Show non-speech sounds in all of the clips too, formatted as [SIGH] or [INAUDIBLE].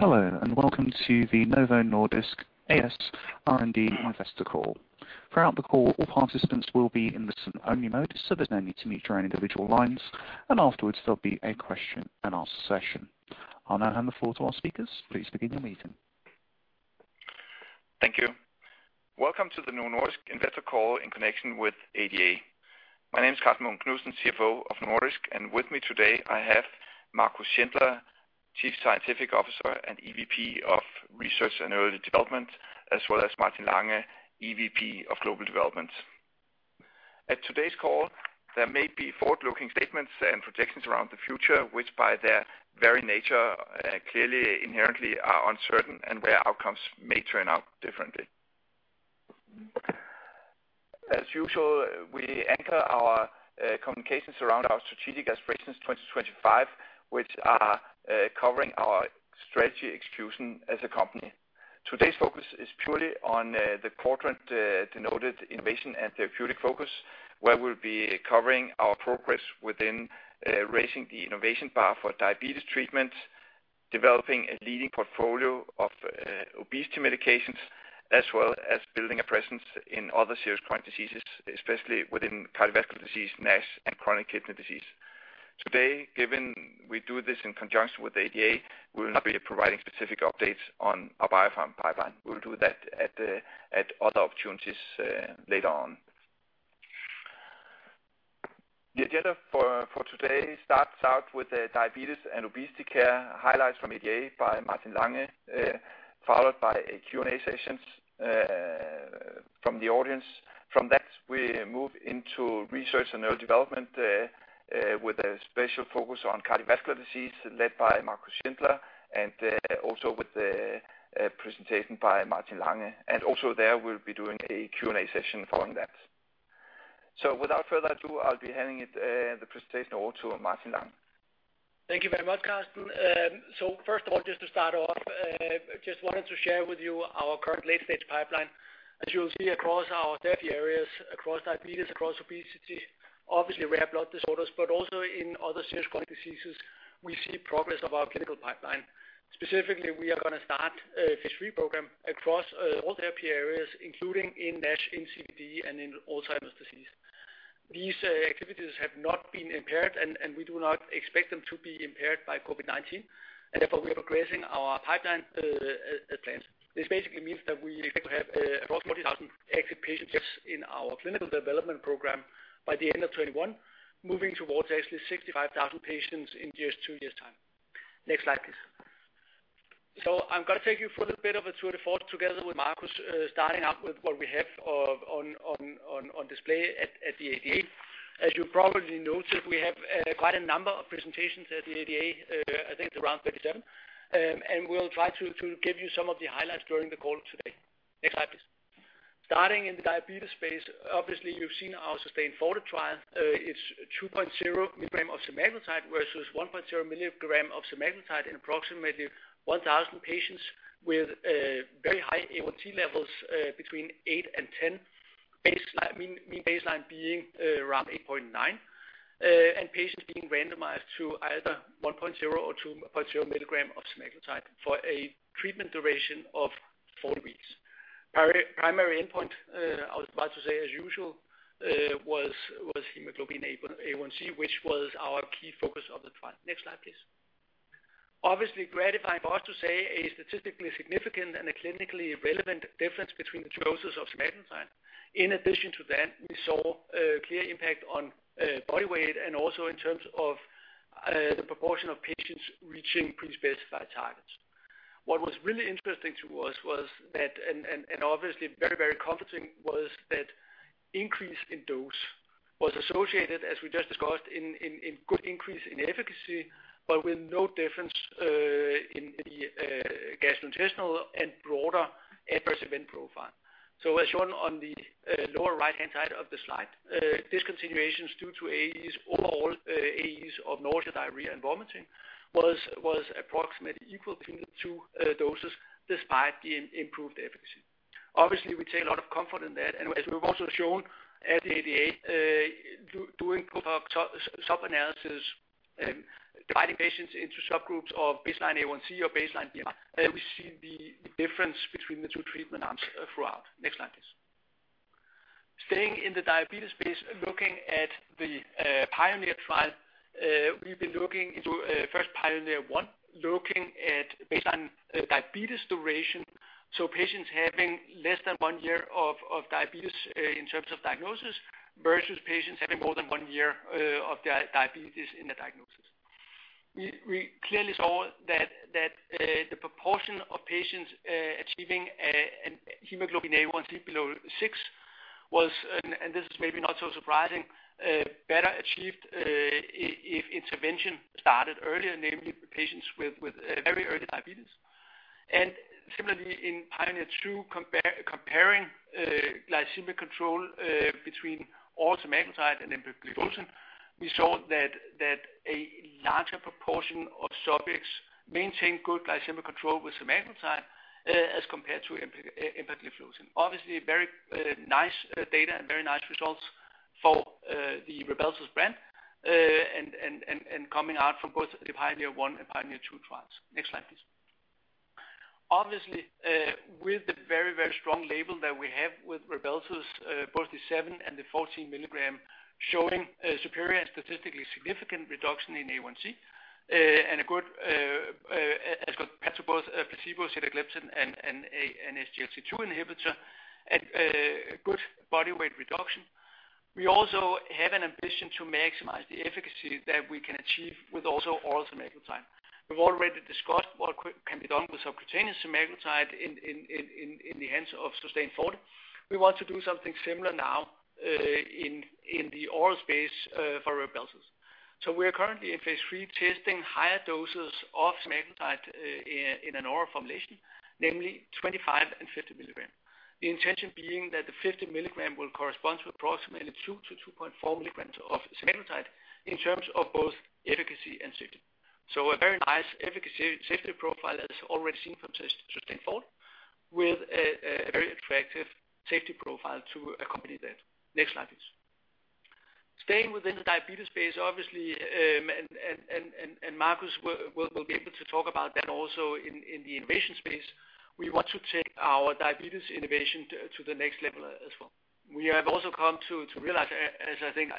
Hello, and welcome to the Novo Nordisk A/S R&D Investor Call. Throughout the call, all participants will be in listen only mode, so there's no need to mute your individual lines, and afterwards there'll be a question and answer session. I'll hand the floor to our speakers. Please begin the meeting. Thank you. Welcome to the Novo Nordisk Investor Call in connection with ADA. My name is Karsten Munk Knudsen, CFO of Novo Nordisk, and with me today, I have Marcus Schindler, Chief Scientific Officer and EVP of Research and Early Development, as well as Martin Lange, EVP of Global Development. At today's call, there may be forward-looking statements and projections around the future, which by their very nature, inherently are uncertain, and their outcomes may turn out differently. As usual, we anchor our communications around our Strategic Aspirations 2025, which are covering our strategy execution as a company. Today's focus is purely on the quadrant denoted innovation and therapeutic focus, where we'll be covering our progress within raising the innovation bar for diabetes treatments, developing a leading portfolio of obesity medications, as well as building a presence in other serious chronic diseases, especially within cardiovascular disease, NASH, and chronic kidney disease. Today, given we do this in conjunction with ADA, we'll not be providing specific updates on our biopharm pipeline. We'll do that at other opportunities later on. The agenda for today starts out with diabetes and obesity care highlights from ADA by Martin Lange, followed by a Q&A session from the audience. From that, we move into research and early development with a special focus on cardiovascular disease led by Marcus Schindler and also with a presentation by Martin Lange. Also there we'll be doing a Q&A session following that. Without further ado, I'll be handing the presentation over to Martin Lange. Thank you very much, Karsten. First of all, just to start off, I just wanted to share with you our current late-stage pipeline. As you'll see across our therapy areas, across diabetes, across obesity, obviously, rare blood disorders, but also in other serious chronic diseases, we see progress of our clinical pipeline. Specifically, we are going to start a phase III program across all therapy areas, including in NASH, NCD, and in Alzheimer's disease. These activities have not been impaired, and we do not expect them to be impaired by COVID-19, and therefore, we are progressing our pipeline as planned. This basically means that we expect to have roughly 2,000 active patients in our clinical development program by the end of 2021, moving towards actually 65,000 patients in just two years' time. Next slide, please. I'm going to take you for a bit of a tour de force together with Marcus, starting up with what we have on display at the ADA. You probably noted, we have quite a number of presentations at the ADA, I think around 37, and we'll try to give you some of the highlights during the call today. Next slide, please. Starting in diabetes space, obviously, you've seen our SUSTAIN FORTE trial is 2.0 mg of semaglutide versus 1.0 mg of semaglutide in approximately 1,000 patients with very high A1c levels between 8 and 10, baseline being around 8.9, and patients being randomized to either 1.0 mg or 2.0 mg of semaglutide for a treatment duration of four weeks. Primary endpoint, I was about to say as usual, was hemoglobin A1c, which was our key focus of the trial. Next slide, please. Obviously gratifying for us to say a statistically significant and a clinically relevant difference between doses of semaglutide. In addition to that, we saw a clear impact on body weight and also in terms of the proportion of patients reaching pre-specified targets. What was really interesting to us was that, and obviously very comforting, was that increase in dose was associated, as we just discussed, in good increase in efficacy, but with no difference in the gastrointestinal and broader adverse event profile. As shown on the lower right-hand side of the slide, discontinuations due to AEs or overall AEs of nausea, diarrhea, and vomiting was approximately equal to the two doses despite the improved efficacy. We take a lot of comfort in that, and as we've also shown at the ADA, doing sub-analysis, dividing patients into subgroups of baseline A1c or baseline BMI, and we see the difference between the two treatment arms throughout. Next slide, please. Staying in the diabetes space and looking at the PIONEER trial, we've been looking into first PIONEER 1, looking at baseline diabetes duration, so patients having less than one year of diabetes in terms of diagnosis versus patients having more than one year of diabetes in the diagnosis. We clearly saw that the proportion of patients achieving hemoglobin A1c below six was, and this is maybe not so surprising, better achieved if intervention started earlier, namely patients with very early diabetes. Similarly in PIONEER 2, comparing glycemic control between oral semaglutide and empagliflozin, we saw that a larger proportion of subjects maintain good glycemic control with semaglutide as compared to empagliflozin. Obviously, very nice data and very nice results for the Rybelsus brand, and coming out from both the PIONEER 1 and PIONEER 2 trials. Next slide, please. Obviously, with the very strong label that we have with Rybelsus, both the 7 mg and the 14 mg, showing a superior and statistically significant reduction in A1c, and a good as compared to both a placebo, sitagliptin, and a SGLT2 inhibitor, and a good body weight reduction. We also have an ambition to maximize the efficacy that we can achieve with also oral semaglutide. We've already discussed what can be done with subcutaneous semaglutide in the hands of SUSTAIN FORTE. We want to do something similar now in the oral space for Rybelsus. We are currently in phase III, testing higher doses of semaglutide in an oral formulation, namely 25 mg and 50 mg. The intention being that the 50 mg will correspond to approximately 2 mg to 2.4 mg of semaglutide in terms of both efficacy and safety. A very nice efficacy safety profile that is already seen from SUSTAIN FORTE, with a very attractive safety profile to accompany that. Next slide, please. Staying within the diabetes space, obviously, and Marcus will be able to talk about that also in the innovation space. We want to take our diabetes innovation to the next level as well. We have also come to realize, as I think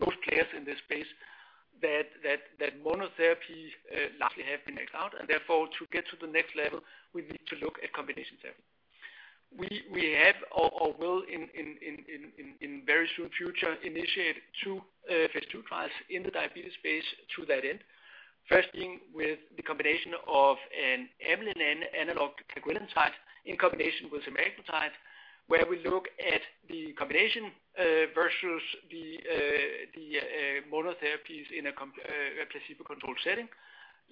most peers in this space, that monotherapy luckily have been maxed out, and therefore, to get to the next level, we need to look at combination therapy. We have or will in very soon future initiate two phase II trials in the diabetes space to that end. First being with the combination of an amylin analog cagrilintide in combination with semaglutide, where we look at the combination versus the monotherapies in a placebo-controlled setting,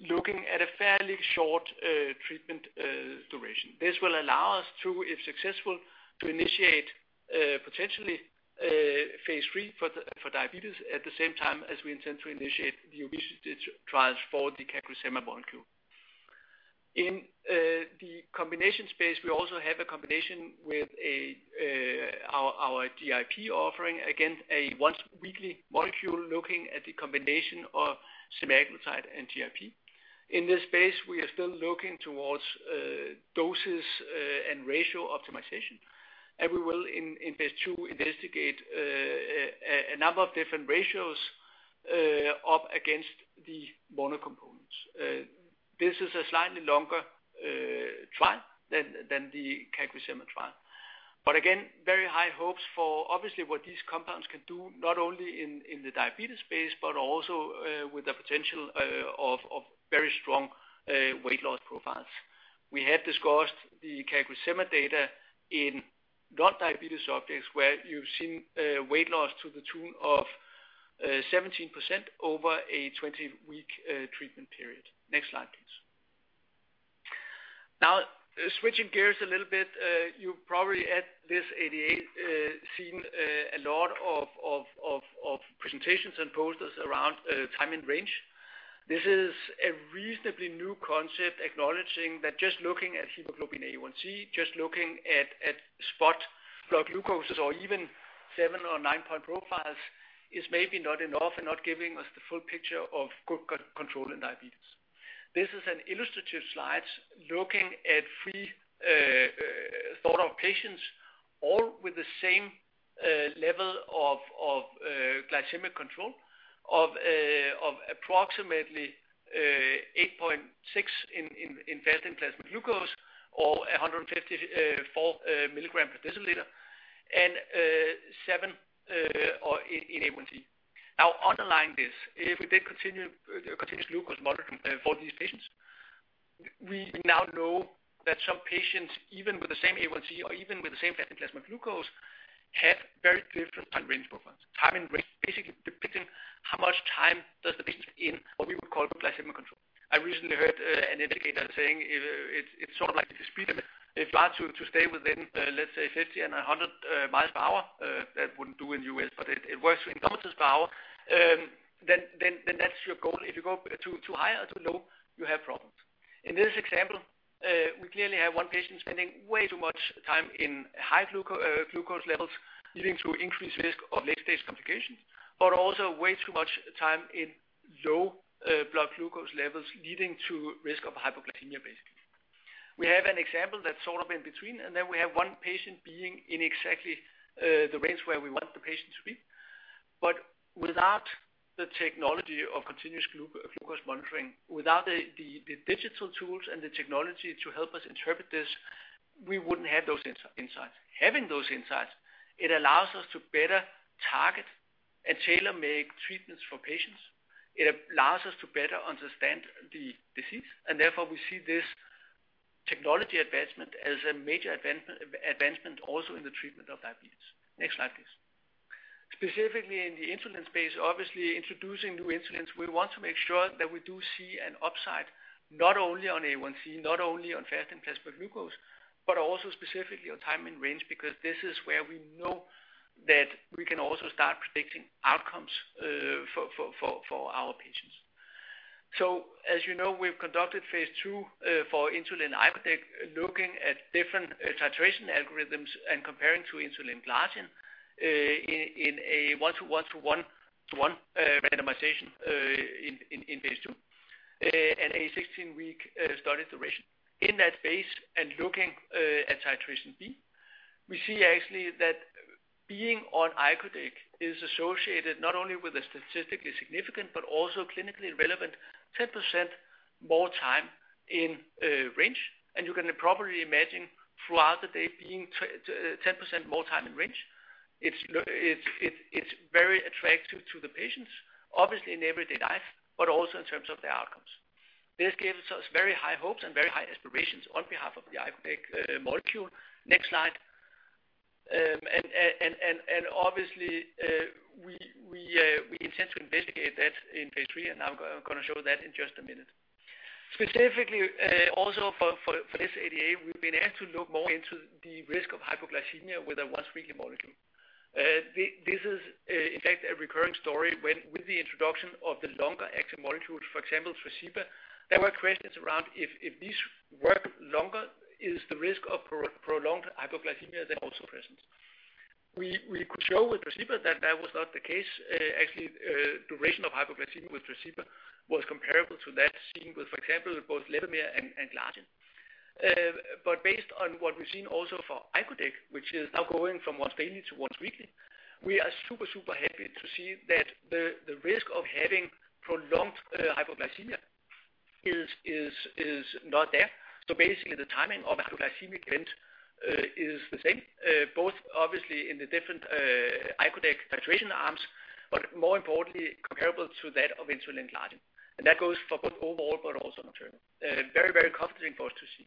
looking at a fairly short treatment duration. This will allow us to, if successful, to initiate potentially phase III for diabetes at the same time as we intend to initiate the usage trials for the cagrilintide molecule. In the combination space, we also have a combination with our GIP offering, again, a once-weekly molecule looking at the combination of semaglutide and GIP. In this space, we are still looking towards doses and ratio optimization. We will in phase II investigate a number of different ratios up against the monocomponents. This is a slightly longer trial than the cagrilintide trial. Again, very high hopes for obviously what these compounds can do, not only in the diabetes space but also with the potential of very strong weight loss profiles. We had discussed the CagriSema data in non-diabetes subjects where you've seen weight loss to the tune of 17% over a 20-week treatment period. Next slide, please. Switching gears a little bit, you've probably at this ADA seen a lot of presentations and posters around time in range. This is a reasonably new concept acknowledging that just looking at hemoglobin A1c, just looking at spot blood glucoses or even 7 or 9-point profiles is maybe not enough and not giving us the full picture of good control in diabetes. This is an illustrative slide looking at three sort of patients all with the same level of glycemic control of approximately 8.6 in fasting plasma glucose or 154 mg/dL and 7 or 8 in A1c. Underlying this, if we did continuous glucose monitoring for these patients, we now know that some patients, even with the same A1c or even with the same plasma glucose, have very different time in range profiles. Time in range basically depicting how much time does the patient in what we would call glycemic control. I recently heard an indicator saying it's sort of like the speed limit. If you are to stay within, let's say, 50 and 100 mi/hr, that wouldn't do in the U.S., but it works in kilometers per hour, then that's your goal. If you go too high or too low, you have problems. In this example, we clearly have one patient spending way too much time in high glucose levels, leading to increased risk of next stage complications, but also way too much time in low blood glucose levels leading to risk of hypoglycemia, basically. Then we have an example that's sort of in between, and then we have one patient being in exactly the range where we want the patient to be. Without the technology of continuous glucose monitoring, without the digital tools and the technology to help us interpret this, we wouldn't have those insights. Having those insights, it allows us to better target and tailor make treatments for patients. It allows us to better understand the disease, therefore we see this technology advancement as a major advancement also in the treatment of diabetes. Next slide, please. Specifically in the insulin space, obviously introducing new insulins, we want to make sure that we do see an upside not only on A1c, not only on fasting plasma glucose, but also specifically on time in range, because this is where we know that we can also start predicting outcomes for our patients. As you know, we've conducted phase II for insulin icodec, looking at different titration algorithms and comparing to insulin glargine in a 1-to-1-to-1 randomization in phase II, and a 16-week study duration. In that phase and looking at titration B, we see actually that being on icodec is associated not only with a statistically significant but also clinically relevant 10% more time in range. You can probably imagine throughout the day, being 10% more time in range, it's very attractive to the patients, obviously in everyday life, but also in terms of the outcomes. This gives us very high hopes and very high aspirations on behalf of the icodec molecule. Next slide. Obviously, we intend to investigate that in phase III, and I'm going to show that in just a minute. Specifically, also for phase ADA, we've been able to look more into the risk of hypoglycemia with a once-weekly molecule. This is in fact a recurring story when with the introduction of the longer-acting molecules, for example, Tresiba, there were questions around if this work longer, is the risk of prolonged hypoglycemia then also present? We could show with Tresiba that that was not the case. Actually, duration of hypoglycemia with Tresiba was comparable to that seen with, for example, both Levemir and glargine. Based on what we've seen also for icodec, which is now going from once-daily to once-weekly, we are super happy to see that the risk of having prolonged hypoglycemia is not there. Basically, the timing of hypoglycemic event is the same, both obviously in the different icodec titration arms, but more importantly, comparable to that of insulin glargine. That goes for both overall but also long-term. Very comforting for us to see.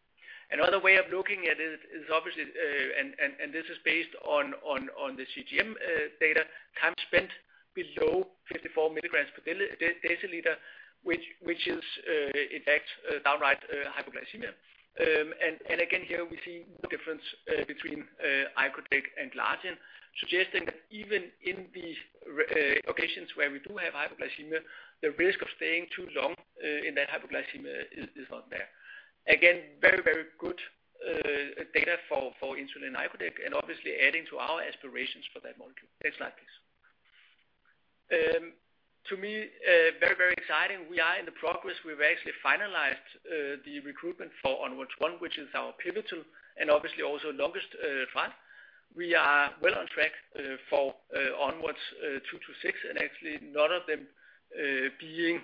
Another way of looking at it is obviously, and this is based on the CGM data, time spent below 54 mg/dL, which is in fact downright hypoglycemia. Again, here we see no difference between icodec and glargine, suggesting that even in the occasions where we do have hypoglycemia, the risk of staying too long in that hypoglycemia is not there. Very good data for insulin icodec and obviously adding to our aspirations for that molecule. Next slide, please. To me, very exciting. We are in the progress. We've actually finalized the recruitment for ONWARDS 1, which is our pivotal and obviously also longest trial. We are well on track for ONWARDS 2 to 6, none of them being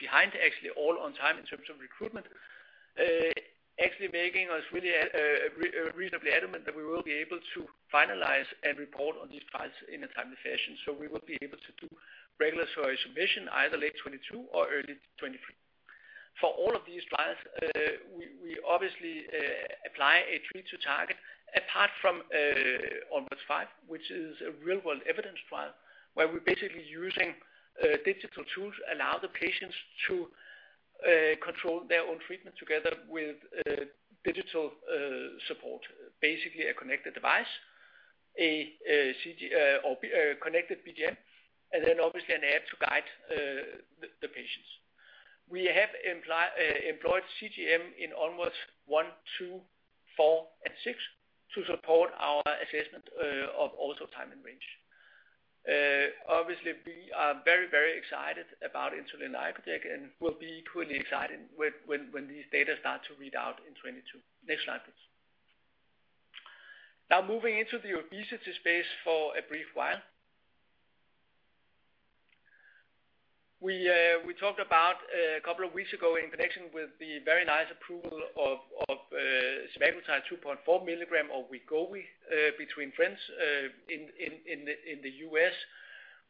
behind, actually all on time in terms of recruitment. Making us reasonably adamant that we will be able to finalize and report on these trials in a timely fashion. We will be able to do regulatory submission either late 2022 or early 2023. For all of these trials, we obviously apply a treat to target, apart from ONWARDS 5, which is a real-world evidence trial where we're basically using digital tools, allow the patients to control their own treatment together with digital support. A connected device, a connected BGM, obviously an app to guide the patients. We have employed CGM in ONWARDS 1, 2, 4, and 6 to support our assessment of also time in range. We are very excited about insulin icodec and will be equally excited when these data start to read out in 2022. Next slide, please. Moving into the obesity space for a brief while. We talked about a couple of weeks ago in connection with the very nice approval of semaglutide 2.4 mg or Wegovy between friends in the U.S.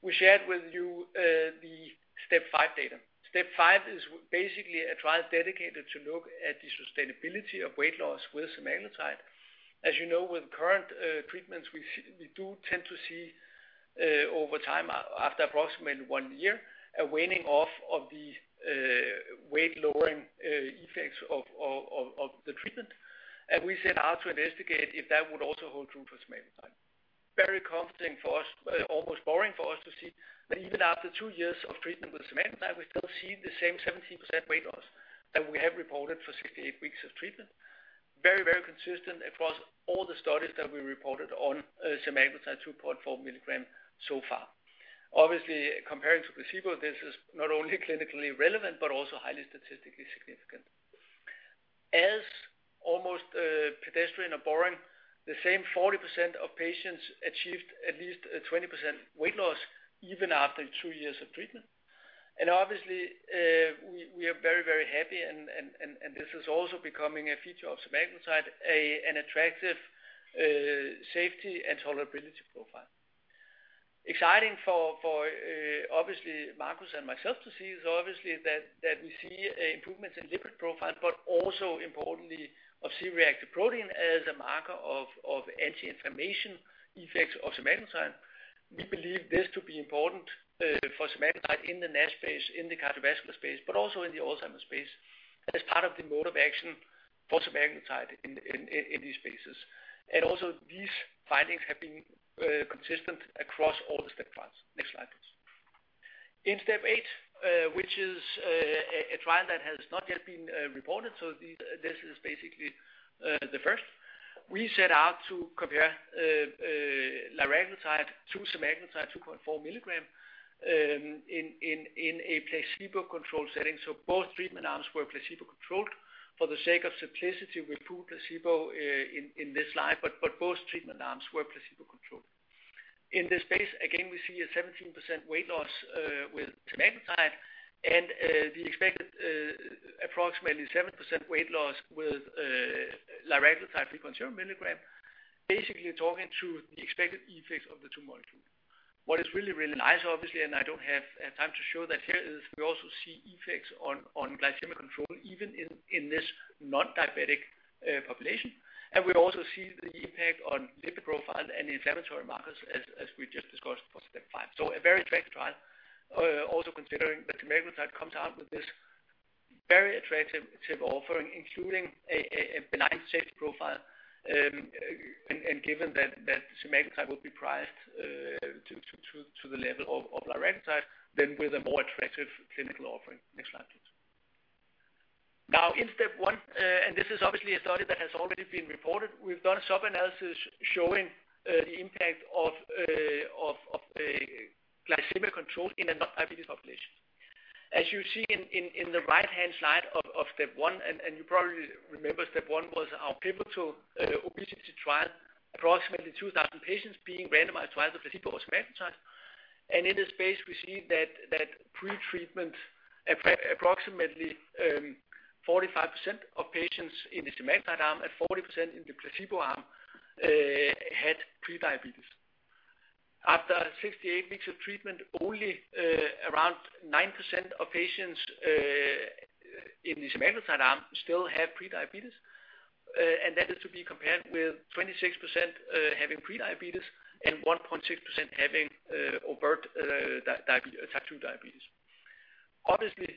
We shared with you the STEP 5 data. STEP 5 is basically a trial dedicated to look at the sustainability of weight loss with semaglutide. As you know, with current treatments, we do tend to see over time, after approximately one year, a waning off of the weight-lowering effects of the treatment. We set out to investigate if that would also hold true for semaglutide. Very comforting for us, almost boring for us to see that even after two years of treatment with semaglutide, we still see the same 17% weight loss that we have reported for 68 weeks of treatment. Very consistent across all the studies that we reported on semaglutide 2.4 mg so far. Obviously, comparing to placebo, this is not only clinically relevant but also highly statistically significant. As almost pedestrian and boring, the same 40% of patients achieved at least a 20% weight loss even after two years of treatment. Obviously, we are very, very happy, and this is also becoming a feature of semaglutide, an attractive safety and tolerability profile. Exciting for obviously Marcus and myself to see is obviously that we see improvements in lipid profile, but also importantly, C-reactive protein as a marker of anti-inflammation effects of semaglutide. We believe this to be important for semaglutide in the NASH space, in the cardiovascular space, but also in the Alzheimer's space as part of the mode of action for semaglutide in these spaces. Also, these findings have been consistent across all the STEP trials. Next slide, please. In STEP 8, which is a trial that has not yet been reported, this is basically the first. We set out to compare liraglutide to semaglutide 2.4 mg in a placebo-controlled setting, both treatment arms were placebo-controlled. For the sake of simplicity, we include placebo in this slide, but both treatment arms were placebo-controlled. In this space, again, we see a 17% weight loss with semaglutide and the expected approximately 7% weight loss with liraglutide 2.0 mg. Basically, you're talking to the expected effects of the two molecules. What is really nice, obviously, and I don't have time to show that here, is we also see effects on glycemic control even in this non-diabetic population. We also see the impact on lipid profile and inflammatory markers as we just discussed for STEP 5. A very attractive trial, also considering that semaglutide comes out with this very attractive clinical offering, including a benign safety profile. Given that semaglutide will be priced to the level of liraglutide, then with a more attractive clinical offering. Next slide, please. In STEP 1, this is obviously a study that has already been reported. We've done sub-analysis showing the impact of glycemic control in a non-diabetic population. As you see in the right-hand side of STEP 1, you probably remember STEP 1 was our pivotal obesity trial, approximately 2,000 patients being randomized to either placebo or semaglutide. In this space, we see that pre-treatment, approximately 45% of patients in the semaglutide arm and 40% in the placebo arm had pre-diabetes. After 68 weeks of treatment, only around 9% of patients in the semaglutide arm still had pre-diabetes. That is to be compared with 26% having pre-diabetes and 1.6% having overt type 2 diabetes. Obviously,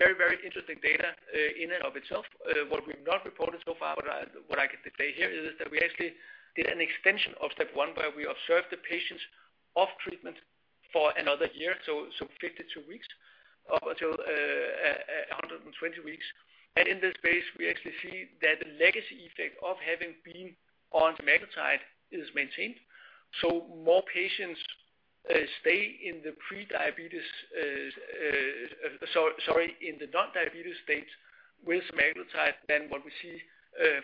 very interesting data in and of itself. What we've not reported so far, but what I can say here is that we actually did an extension of STEP 1 where we observed the patients off treatment for another year, so 52 weeks up until 120 weeks. In this space, we actually see that the legacy effect of having been on semaglutide is maintained. More patients stay in the non-diabetes state with semaglutide than what we see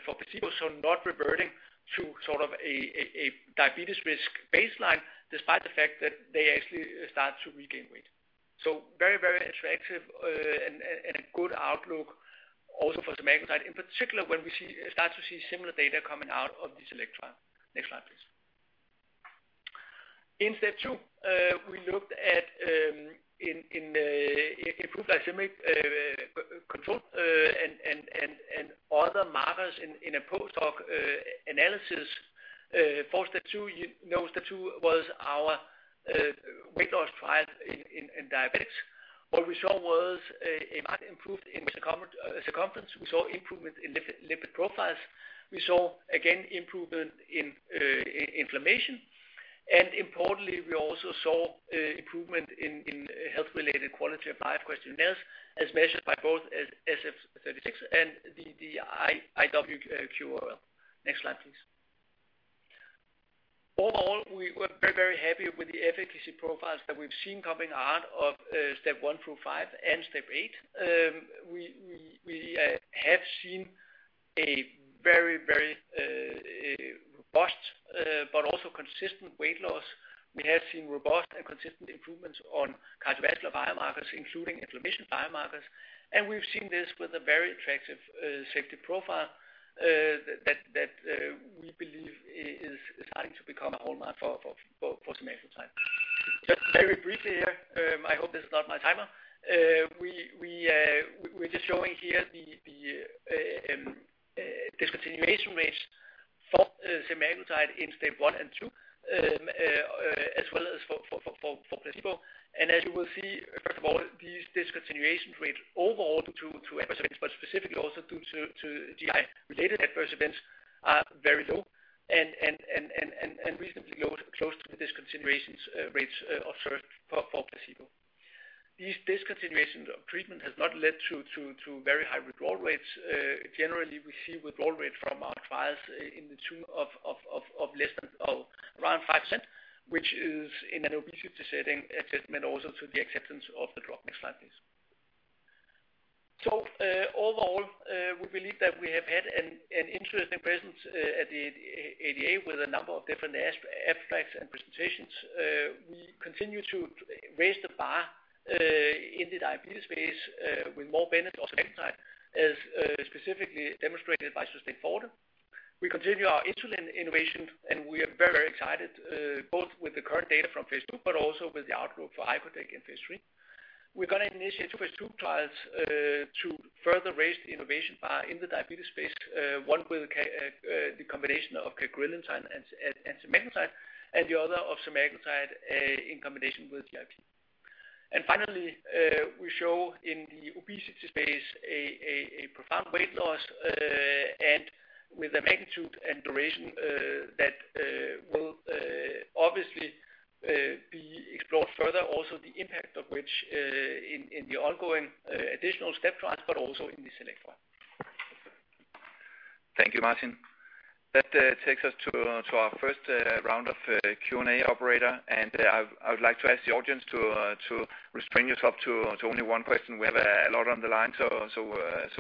for placebo. Not reverting to sort of a diabetes risk baseline despite the fact that they actually start to regain weight. Very attractive and a good outlook also for semaglutide in particular when we start to see similar data coming out of this. [AUDIO DISTORTION] Next slide, please. In STEP 2, we looked at improved glycemic control and other markers in a post hoc analysis for STEP 2. You know STEP 2 was our weight loss trial in diabetics. What we saw was a marked improvement in waist circumference. We saw improvement in lipid profiles. We saw again improvement in inflammation. Importantly, we also saw improvement in health-related quality of life questionnaires as measured by both SF-36 and the IWQOL. Next slide, please. All in all, we were very happy with the efficacy profiles that we've seen coming out of STEP 1 through 5 and STEP 8. We have seen a very robust but also consistent weight loss. We have seen robust and consistent improvements on cardiovascular biomarkers, including inflammation biomarkers. We've seen this with a very attractive safety profile, that we believe is starting to become a hallmark for semaglutide. Just very briefly here, I hope this is not my timer. We're just showing here the discontinuation rates for semaglutide in STEP 1 and 2, as well as for placebo. As you will see, first of all, these discontinuation rates overall due to adverse events, but specifically also due to GI-related adverse events, are very low and reasonably low, close to the discontinuation rates observed for placebo. These discontinuations of treatment has not led to very high withdrawal rates. Generally, we see withdrawal rate from our trials in the tune of less than around 5%, which is in an obesity setting, a testament also to the acceptance of the drug. Next slide, please. Overall, we believe that we have had an interesting presence at ADA with a number of different abstracts and presentations. We continue to raise the bar in the diabetes space with more benefits of semaglutide, as specifically demonstrated by SUSTAIN FORTE. We continue our insulin innovation. We are very excited both with the current data from phase II but also with the outlook for icodec phase III. We are going to initiate two phase II trials to further raise the innovation bar in the diabetes space. One with the combination of cagrilintide and semaglutide, and the other of semaglutide in combination with GIP. Finally, we show in the obesity space a profound weight loss, with a magnitude and duration that will obviously be explored further, also the impact of which in the ongoing additional STEP trials, but also in this next one. Thank you, Martin. That takes us to our first round of Q&A, operator. I would like to ask the audience to restrain yourself to only one question. We have a lot on the line,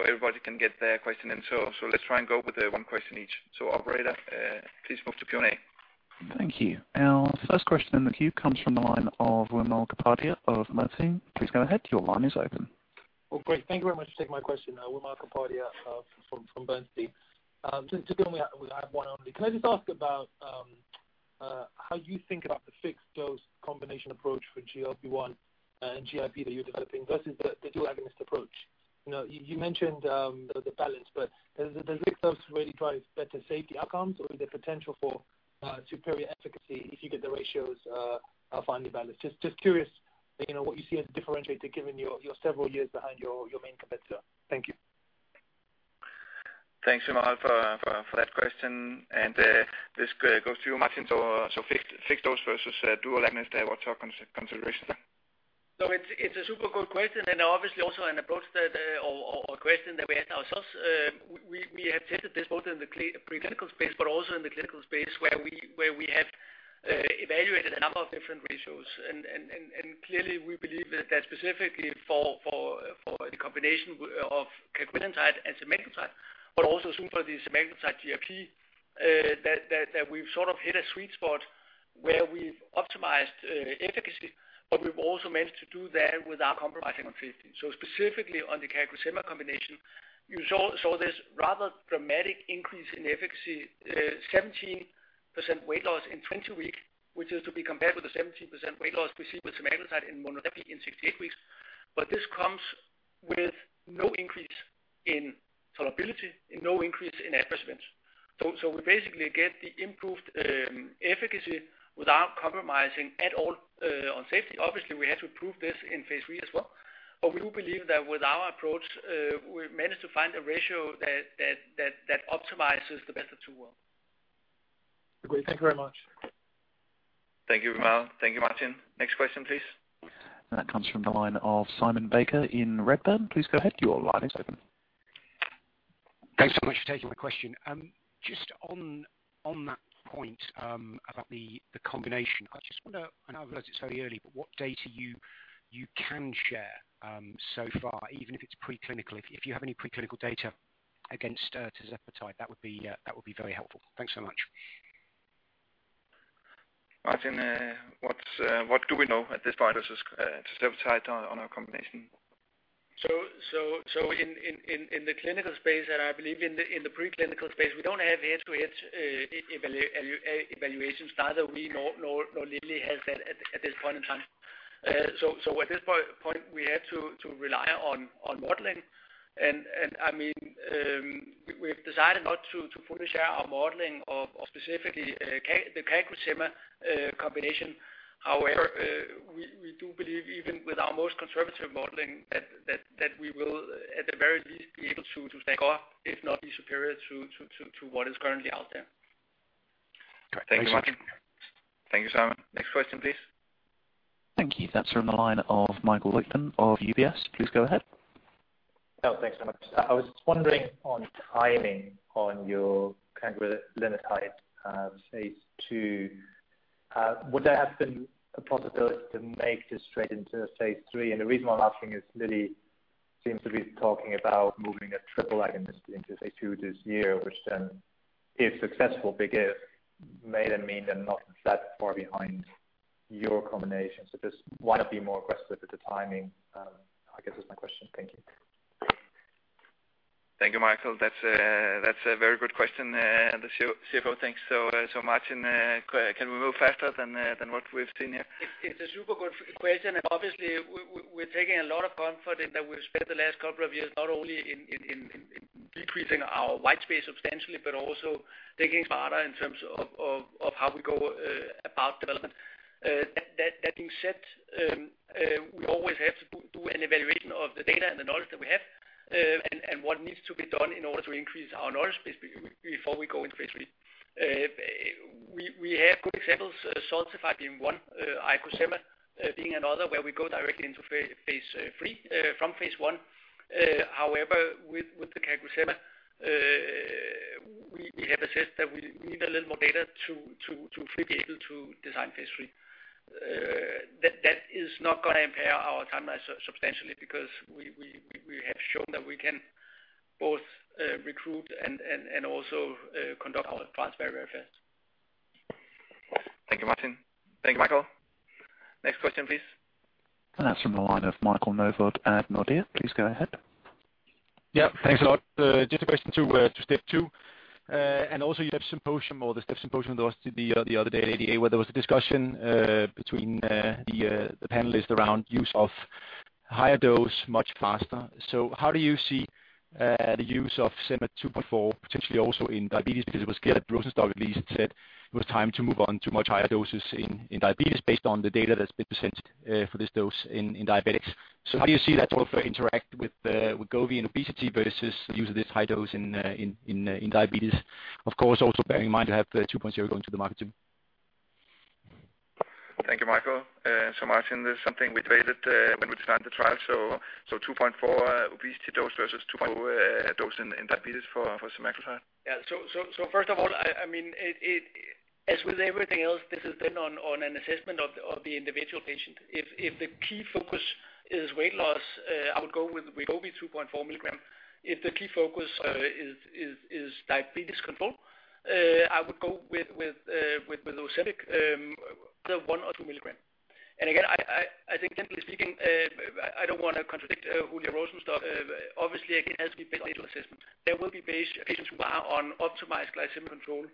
everybody can get their question in. Let's try and go with one question each. Operator, please move to Q&A. Thank you. Our first question in the queue comes from the line of Wimal Kapadia of Bernstein. Please go ahead. Well, great. Thank you very much for taking my question. Wimal Kapadia from Bernstein. Just to go in, can I just ask about how you think about the fixed-dose combination approach for GLP-1 and GIP that you're taking versus the dual agonist approach? You mentioned the balance, does the fixed dose really provide better safety outcomes or the potential for superior efficacy if you get the ratios finely balanced? Just curious what you see as differentiated given you're several years behind your main competitor. Thank you. Thanks, Wimal, for that question. This goes to you, Martin. Fixed-dose versus dual agonist approach, consideration. It's a super good question, obviously also an approach that, or a question that we had ourselves. We have tested this both in the preclinical space, but also in the clinical space where we have evaluated a number of different ratios. Clearly, we believe that specifically for a combination of cagrilintide and semaglutide, but also soon for the semaglutide GIP, that we've sort of hit a sweet spot where we've optimized efficacy, but we've also managed to do that without compromising on safety. Specifically on the CagriSema combination, you saw this rather dramatic increase in efficacy, 17% weight loss in 20 weeks, which is to be compared with the 17% weight loss we see with semaglutide in monotherapy in 16 weeks. This comes with no increase in tolerability, no increase in adverse events. We basically get the improved efficacy without compromising at all on safety. Obviously, we have to prove this in phase III as well. We do believe that with our approach, we've managed to find a ratio that optimizes the best of two worlds. Great. Thank you very much. Thank you, Wimal. Thank you, Martin. Next question, please. That comes from the line of Simon Baker in Redburn. Please go ahead. Your line is open. Thanks so much for taking my question. Just on that point about the combination, I just wonder, I know you said earlier, but what data you can share so far, even if it's preclinical. If you have any preclinical data against tirzepatide, that would be very helpful. Thanks so much. Martin, what do we know at this point as tirzepatide on our combination? In the clinical space, and I believe in the preclinical space, we don't have head-to-head evaluations that we normally have at this point in time. At this point, we have to rely on modeling. We've decided not to fully share our modeling of specifically the CagriSema combination. However, we do believe, even with our most conservative modeling, that we will at the very least be able to stack up, if not be superior to what is currently out there. Thank you, Martin. Thank you, Simon. Next question, please. Thank you. That's from the line of Michael Leuchten of UBS. Please go ahead. Yeah, thanks so much. I was just wondering on timing on your cagrilintide phase II. Would there have been a possibility to make this straight into phase III? The reason why I'm asking is Lilly seems to be talking about moving a triple agonist into phase II this year, which then if successful, may then mean they're not that far behind your combination. Just want to be more aggressive with the timing, I guess is my question. Thank you. Thank you, Michael. That's a very good question, and sure thing. Martin, can we move faster than what we've seen here? It's a super good question. Obviously, we're taking a lot of comfort in that we've spent the last couple of years not only in decreasing our white space substantially but also thinking harder in terms of how we go about development. That being said, we always have to do an evaluation of the data and the knowledge that we have and what needs to be done in order to increase our knowledge base before we go into phase III. We have good examples, sotagliflozin one, IcoSema being another, where we go directly into phase III from phase I. However, with the CagriSema, we have assessed that we need a little more data to feel able to design phase III. That is not going to impair our timeline substantially because we have shown that we can both recruit and also conduct our advanced bio assay. Thank you, Martin. Thank you, Michael. Next question, please. That's from the line of Michael Novod at Nordea. Please go ahead. Yeah, thanks a lot. Just a question to STEP 2, and also you had some symposium, or the STEP symposium the other day where there was a discussion between the panelists around use of higher dose, much faster. How do you see the use of semaglutide 2.4 mg, potentially also in diabetes? Because as [AUDIO DISTORTION] said, it was time to move on to much higher doses in diabetes based on the data that's been presented for this dose in diabetics. How do you see that profile interact with Wegovy in obesity versus the use of this high dose in diabetes? Of course, also bearing in mind to have the 2.0 going to the market too. Thank you, Michael. Martin, this is something we traded when we designed the trial. 2.4 obesity dose versus 2.0 dose in diabetes for semaglutide. Yeah. First of all, as with everything else, this is on an assessment of the individual patient. If the key focus is weight loss, I would go with Wegovy 2.4 mg. If the key focus is diabetes control, I would go with Ozempic, either 1 or 2 mg. Again, I think generally speaking, I don't want to contradict what [AUDIO DISTORTION] said. Obviously, it has to be patient assessment. There will be patients who are on optimized glycemic control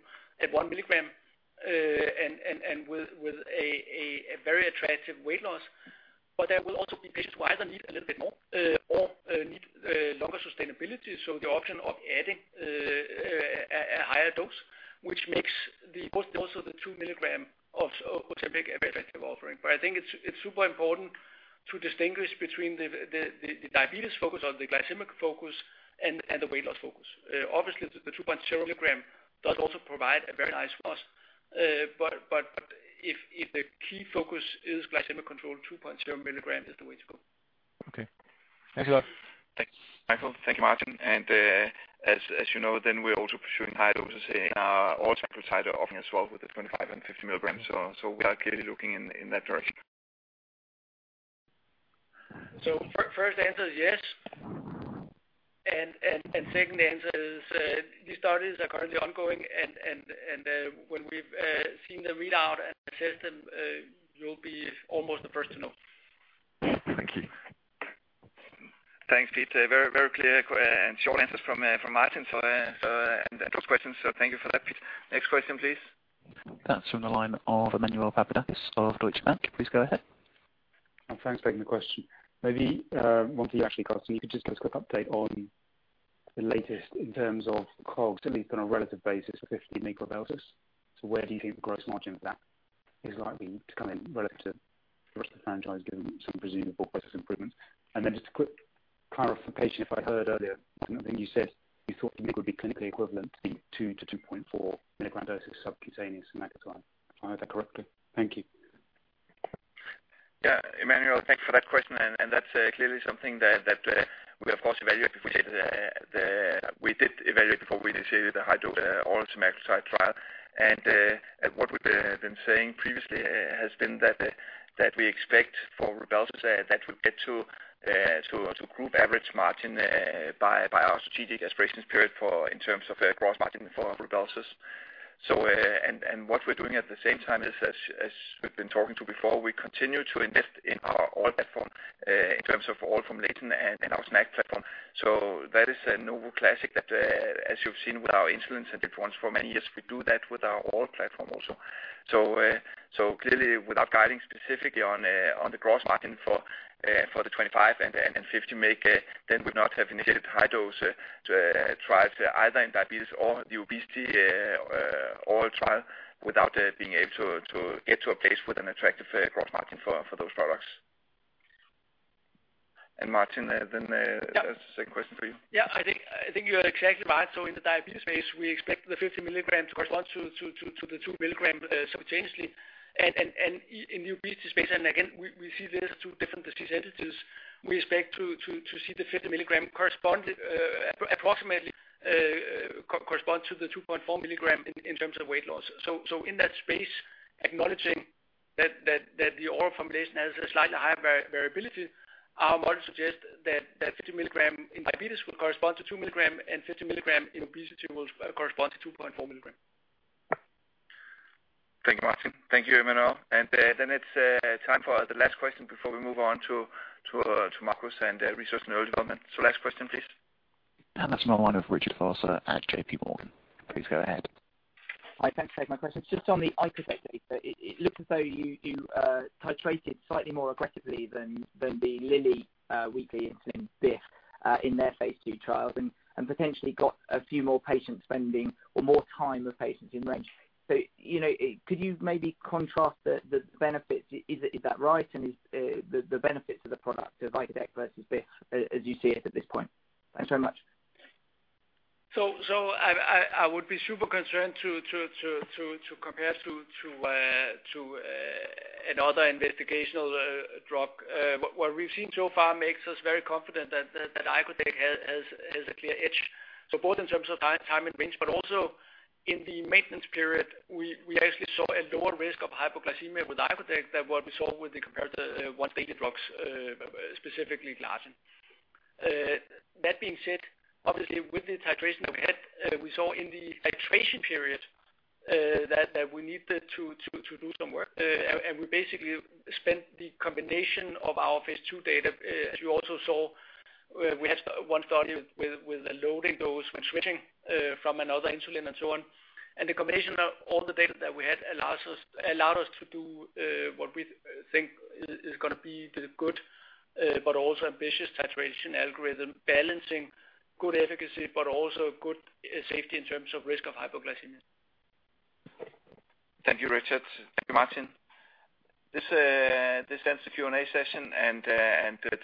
at 1 mg, and with a very attractive weight loss. There will also be patients who either need a little bit more or need longer sustainability, so the option of adding a higher dose, which makes the obesity also the 2 mg of Ozempic a very attractive offering. I think it's super important to distinguish between the diabetes focus or the glycemic focus and the weight loss focus. Obviously, the 2.0 mg does also provide a very nice loss. If the key focus is glycemic control, 2.0 mg is the way to go. Okay. Thank you. Thank you, Michael. Thank you, Martin. As you know, we're also pursuing high doses in our oral semaglutide offering as well with the 25 mg and 50 mg. We are clearly looking in that direction. First answer is yes, and second answer is these studies are currently ongoing, and when we've seen the readout and assessed them, you'll be almost the first to know. Thank you. Thanks, Peter. Very clear and short answers from Martin and those questions. Thank you for that, please. Next question, please. That's from the line of Emmanuel Papadakis of Deutsche Bank. Please go ahead. Thanks for the question. Maybe once you actually, if you could just give us a quick update on the latest in terms of cost, certainly on a relative basis for 15 mg. Where do you think the gross margin of that is likely to come in relative to the rest of the franchise given some presumed bulk source improvement? Just a quick clarification, if I heard earlier that you said you thought it could be clinically equivalent to the 2 mg-2.4 mg dose of subcutaneous semaglutide. Did I hear that correctly? Thank you. Yeah. Emmanuel, thanks for that question, that's clearly something that we of course evaluated before we did evaluate before we initiated the high dose oral semaglutide trial. What we've been saying previously has been that we expect for Rybelsus, that we get to group average margin by our strategic aspiration period in terms of gross margin for Rybelsus. What we're doing at the same time as we've been talking to before, we continue to invest in our oral platform in terms of oral formulation and our SNAC platform. That is a Novo classic that, as you've seen with our insulin platforms for many years, we do that with our oral platform also. Clearly, without guiding specifically on the gross margin for the 25 mg and 50 mg, we would not have initiated high dose trials either in diabetes or the obesity oral trial without being able to get to a place with an attractive gross margin for those products. Martin, the second question for you. Yeah, I think you are exactly right. In the diabetes space, we expect the 50 mg correspond to the 2 mg subcutaneously. In obesity space, and again, we see this as two different disease entities, we expect to see the 50 mg approximately correspond to the 2.4 mg in terms of weight loss. In that space, acknowledging that the oral formulation has a slightly higher variability, I would suggest that 50 mg in diabetes will correspond to 2 mg and 50 mg in obesity will correspond to 2.4 mg. Thank you, Martin. Thank you, Emmanuel. It's time for the last question before we move on to Marcus and resource and R&D. Last question, please. That's from the line of Richard Vosser at JPMorgan. Please go ahead. Hi, thanks for taking my question. Just on the icodec, it looks as though you titrated slightly more aggressively than the Lilly weekly insulin BIF in their phase II trials and potentially got a few more patients spending or more time with patients in range. Could you maybe contrast the benefits? Is that right, and the benefits of the product as icodec versus BIF as you see it at this point? Thanks so much. I would be super concerned to compare to another investigational drug. What we've seen so far makes us very confident that icodec has a clear edge. Both in terms of time in range, but also in the maintenance period, we actually saw a lower risk of hypoglycemia with icodec than what we saw when we compared to once-daily drugs, specifically glargine. That being said, obviously, with the titration we had, we saw in the titration period that we needed to do some work, and we basically spent the combination of our phase II data, as you also saw. We have one study with a loading dose when switching from another insulin and so on. The combination of all the data that we had allowed us to do what we think is going to be the good but also ambitious titration algorithm, balancing good efficacy, but also good safety in terms of risk of hypoglycemia. Thank you, Richard. Thank you, Martin. This ends the Q&A session and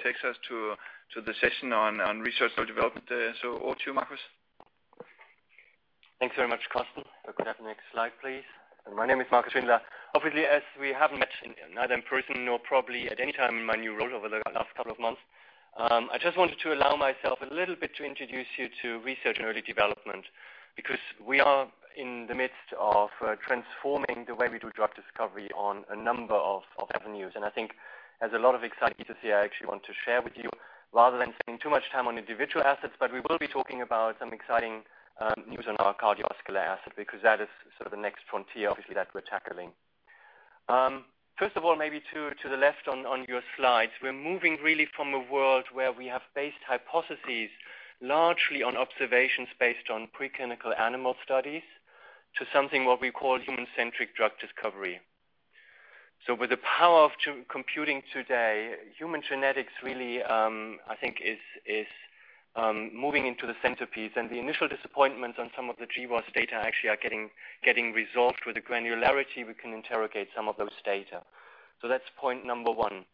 takes us to the session on research and development. Over to you, Marcus. Thanks very much, Karsten. Can I have the next slide, please? My name is Marcus Schindler. Obviously, as we haven't met in person or probably at any time in my role over the last couple of months, I just wanted to allow myself a little bit to introduce you to research and early development, because we are in the midst of transforming the way we do drug discovery on a number of avenues. I think there's a lot of excitement to see I actually want to share with you rather than spending too much time on individual assets, we will be talking about some exciting news on our cardiovascular asset, because that is the next frontier, obviously, that we're tackling. First of all, maybe to the left on your slide, we're moving really from a world where we have based hypotheses largely on observations based on preclinical animal studies to something what we call human-centric drug discovery. With the power of computing today, human genetics really, I think is moving into the centerpiece, and the initial disappointments on some of the GWAS data actually are getting resolved with the granularity we can interrogate some of those data. That's point number one.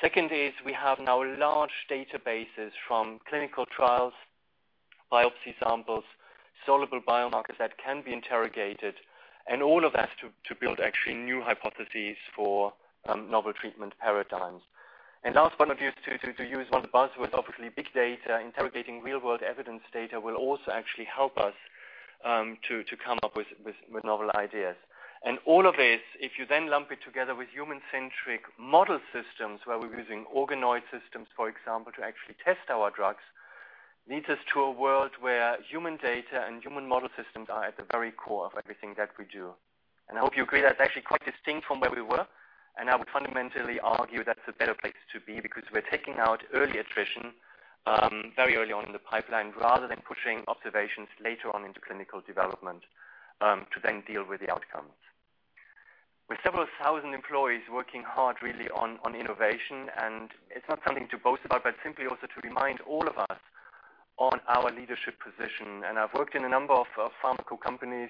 Second is we have now large databases from clinical trials, biopsy samples, soluble biomarkers that can be interrogated, and all of that to build actually new hypotheses for novel treatment paradigms. Last one, to use one buzzword, obviously big data, interrogating real-world evidence data will also actually help us to come up with novel ideas. All of this, if you then lump it together with human-centric model systems where we're using organoid systems, for example, to actually test our drugs, leads us to a world where human data and human model systems are at the very core of everything that we do. I hope you agree that's actually quite distinct from where we were, and I would fundamentally argue that's a better place to be because we're taking out early attrition very early on in the pipeline rather than pushing observations later on into clinical development to then deal with the outcomes. We have several thousand employees working hard really on innovation, and it's not something to boast about, but simply also to remind all of us on our leadership position. I've worked in a number of pharma companies.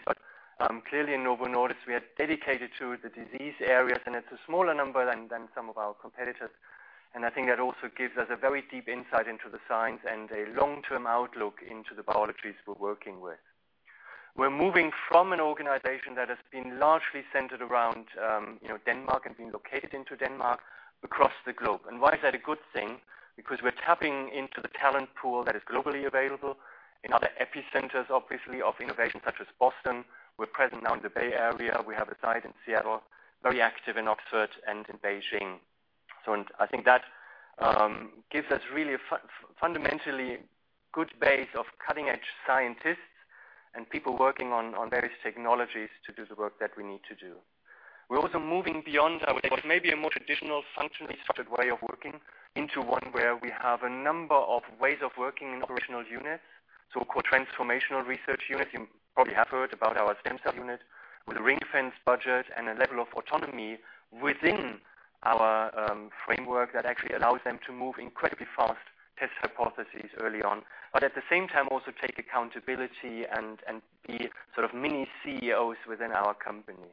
Clearly at Novo Nordisk, we are dedicated to the disease areas, and it's a smaller number than some of our competitors. I think that also gives us a very deep insight into the science and a long-term outlook into the biologics we're working with. We're moving from an organization that has been largely centered around Denmark, has been located into Denmark, across the globe. Why is that a good thing? Because we're tapping into the talent pool that is globally available in other epicenters, obviously, of innovation such as Boston. We're present now in the Bay Area. We have a site in Seattle, very active in Oxford and in Beijing. I think that gives us really a fundamentally good base of cutting-edge scientists and people working on various technologies to do the work that we need to do. We are also moving beyond what was maybe a more traditional functionally structured way of working into one where we have a number of ways of working in traditional units. We call transformational research units. You probably have heard about our center unit with a ring-fenced budget and a level of autonomy within our framework that actually allows them to move incredibly fast, test hypotheses early on, but at the same time, also take accountability and be sort of mini CEOs within our company.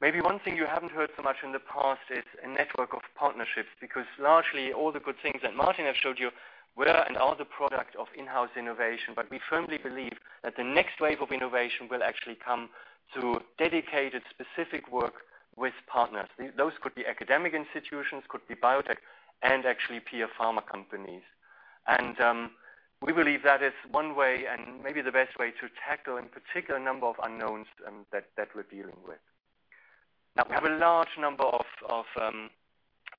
Maybe one thing you haven't heard so much in the past is a network of partnerships, because largely all the good things that Martin has showed you were and are the product of in-house innovation. We firmly believe that the next wave of innovation will actually come through dedicated, specific work with partners. Those could be academic institutions, could be biotech, and actually peer pharma companies. We believe that is one way and maybe the best way to tackle a particular number of unknowns that we're dealing with. We have a large number of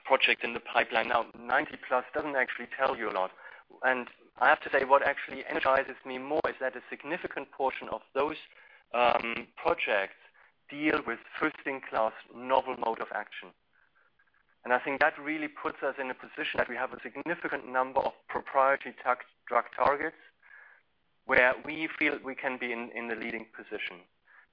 projects in the pipeline. 90+ doesn't actually tell you a lot. I have to say, what actually energizes me more is that a significant portion of those projects deal with first-in-class novel mode of action. I think that really puts us in a position that we have a significant number of proprietary drug targets where we feel we can be in a leading position.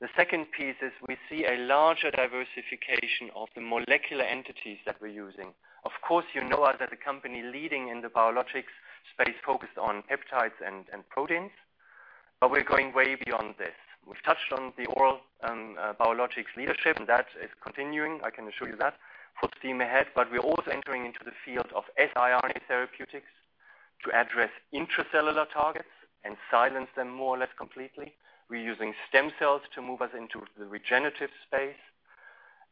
The second piece is we see a larger diversification of the molecular entities that we're using. Of course, you know us as a company leading in the biologics space focused on peptides and proteins, but we're going way beyond this. We've touched on the oral biologics leadership, and that is continuing. I can assure you that. Full steam ahead. We're also entering into the field of siRNA therapeutics to address intracellular targets and silence them more or less completely. We're using stem cells to move us into the regenerative space,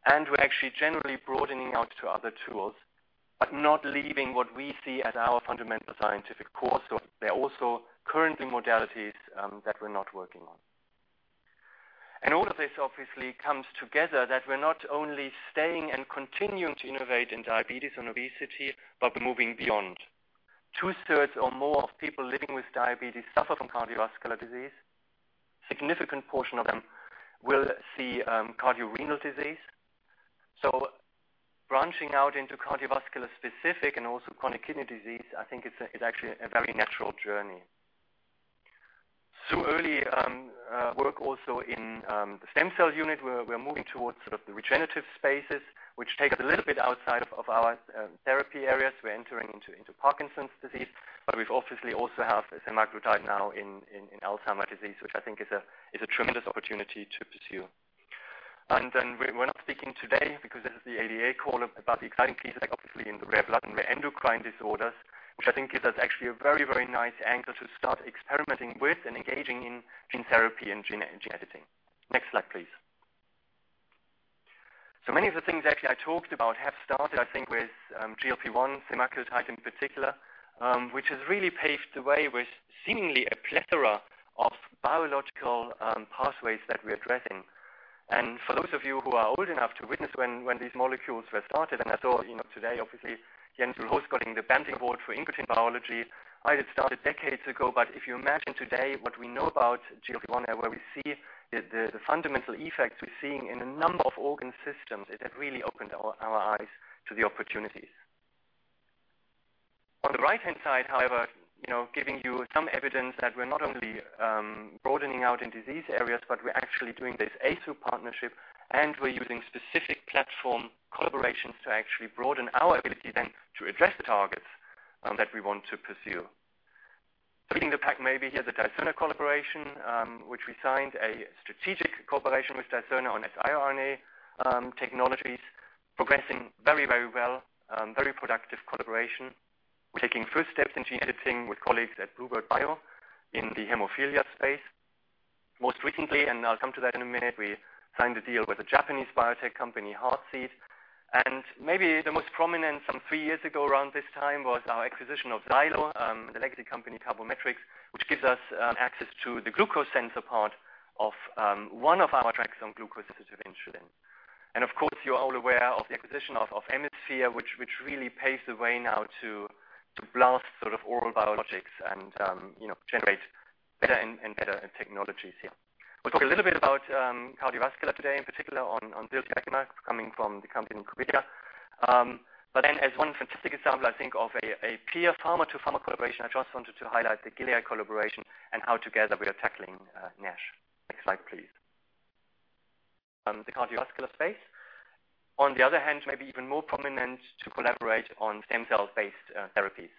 and we're actually generally broadening out to other tools, but not leaving what we see as our fundamental scientific core. They're also currently modalities that we're not working on. All of this obviously comes together that we're not only staying and continuing to innovate in diabetes and obesity, but moving beyond. Two-thirds or more of people living with diabetes suffer from cardiovascular disease. Significant portion of them will see cardiorenal disease. Branching out into cardiovascular specific and also chronic kidney disease, I think it's actually a very natural journey. Early work also in the stem cell unit, we're moving towards sort of regenerative spaces, which take us a little bit outside of our therapy areas. We're entering into Parkinson's disease, but we've obviously also have semaglutide now in Alzheimer's disease, which I think is a tremendous opportunity to pursue. Then we're not speaking today because this is the ADA call about the cutting piece, obviously, in the rare blood and the endocrine disorders, which I think gives us actually a very nice angle to start experimenting with and engaging in gene therapy and gene editing. Next slide, please. Many of the things actually I talked about have started, I think with GLP-1, semaglutide in particular, which has really paved the way with seemingly a plethora of biological pathways that we're addressing. For those of you who are old enough to witness when these molecules were started, and that's all today, obviously, Jens Juul Holst getting the Banting for incretin biology. I started decades ago, if you imagine today what we know about GLP-1 and where we see the fundamental effects we're seeing in a number of organ systems, it has really opened our eyes to the opportunities. On the right-hand side, however, giving you some evidence that we're not only broadening out in disease areas, but we're actually doing this AI partnership, and we're using specific platform collaborations to actually broaden our ability then to address targets that we want to pursue. Leading the pack maybe here, the Dicerna collaboration, which we signed a strategic collaboration with Dicerna on siRNA technologies progressing very well, very productive collaboration. We're taking first steps in gene editing with colleagues at bluebird bio in the hemophilia space. Most recently, I'll come to that in a minute, we signed a deal with a Japanese biotech company, Heartseed. Maybe the most prominent some three years ago around this time was our acquisition of Ziylo, the company Carbometrics, which gives us access to the glucose sensor part of one of our tracks on glucose-specific insulin. Of course, you're all aware of the acquisition of Emisphere, which really paves the way now to blast sort of oral biologics and generate better and better technologies here. We'll talk a little bit about cardiovascular today, in particular on ziltivekimab coming from the company Corvidia. As one specific example, I think of a pure pharma-to-pharma collaboration, I just wanted to highlight the Gilead collaboration and how together we are tackling NASH. Next slide, please. The cardiovascular space. On the other hand, maybe even more prominent to collaborate on stem cell-based therapies.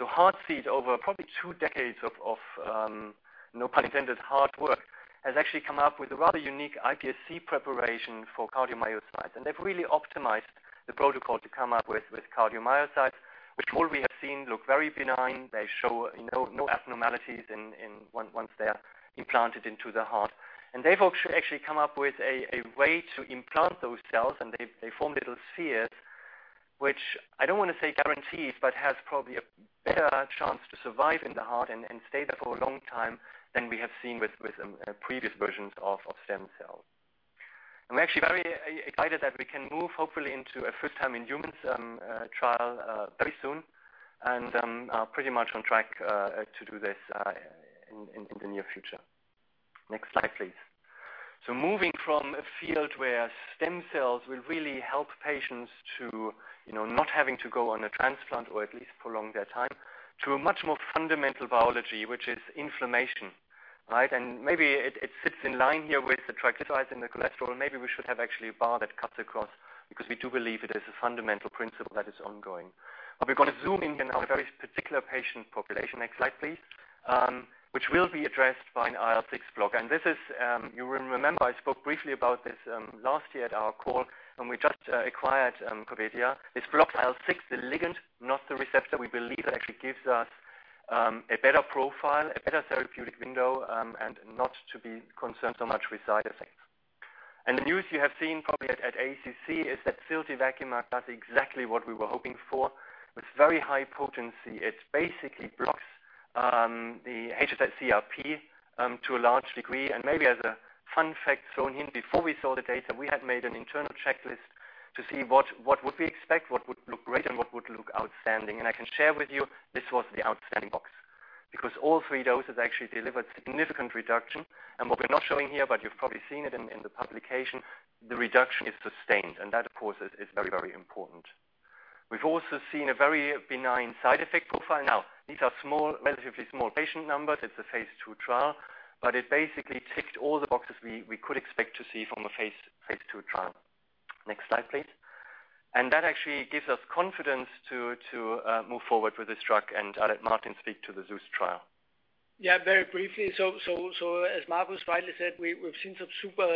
Heartseed, over probably two decades of [AUDIO DISTORTION] hard work, has actually come up with a rather unique iPSC preparation for cardiomyocytes. They've really optimized the protocol to come up with cardiomyocytes, which already have seen look very benign. They show no abnormalities once they're implanted into the heart. They've actually come up with a way to implant those cells, and they form little spheres, which I don't want to say guarantees, but has probably a better chance to survive in the heart and stay there for a long time than we have seen with previous versions of stem cells. I'm actually very excited that we can move hopefully into a first-time-in-humans trial very soon and are pretty much on track to do this in the near future. Next slide, please. Moving from a field where stem cells will really help patients to not having to go on a transplant or at least prolong their time, to a much more fundamental biology, which is inflammation. Right. Maybe it sits in line here with the triglycerides and the cholesterol. Maybe we should have actually a bar that cuts across because we do believe it is a fundamental principle that is ongoing. We're going to zoom in on a very particular patient population. Next slide, please. Which will be addressed by an IL-6 block. This is, you remember I spoke briefly about this last year at our call when we just acquired Corvidia. This blocks IL-6, the ligand, not the receptor, we believe actually gives us a better profile, a better therapeutic window, and not to be concerned so much with side effects. The news you have seen probably at ACC is that ziltivekimab does exactly what we were hoping for with very high potency. It basically blocks the hs-CRP to a large degree. Maybe as a fun fact thrown in, before we saw the data, we had made an internal checklist to see what would we expect, what would look great, and what would look outstanding. I can share with you this was in the outstanding box because all three doses actually delivered significant reduction. What we're not showing here, but you've probably seen it in the publication, the reduction is sustained, and that, of course, is very important. We've also seen a very benign side effect profile. These are relatively small patient numbers. It's a phase II trial, but it basically ticks all the boxes we could expect to see from a phase II trial. Next slide, please. That actually gives us confidence to move forward with this drug and let Martin speak to the ZEUS trial. Yeah, very briefly. As Marcus rightly said, we've seen some super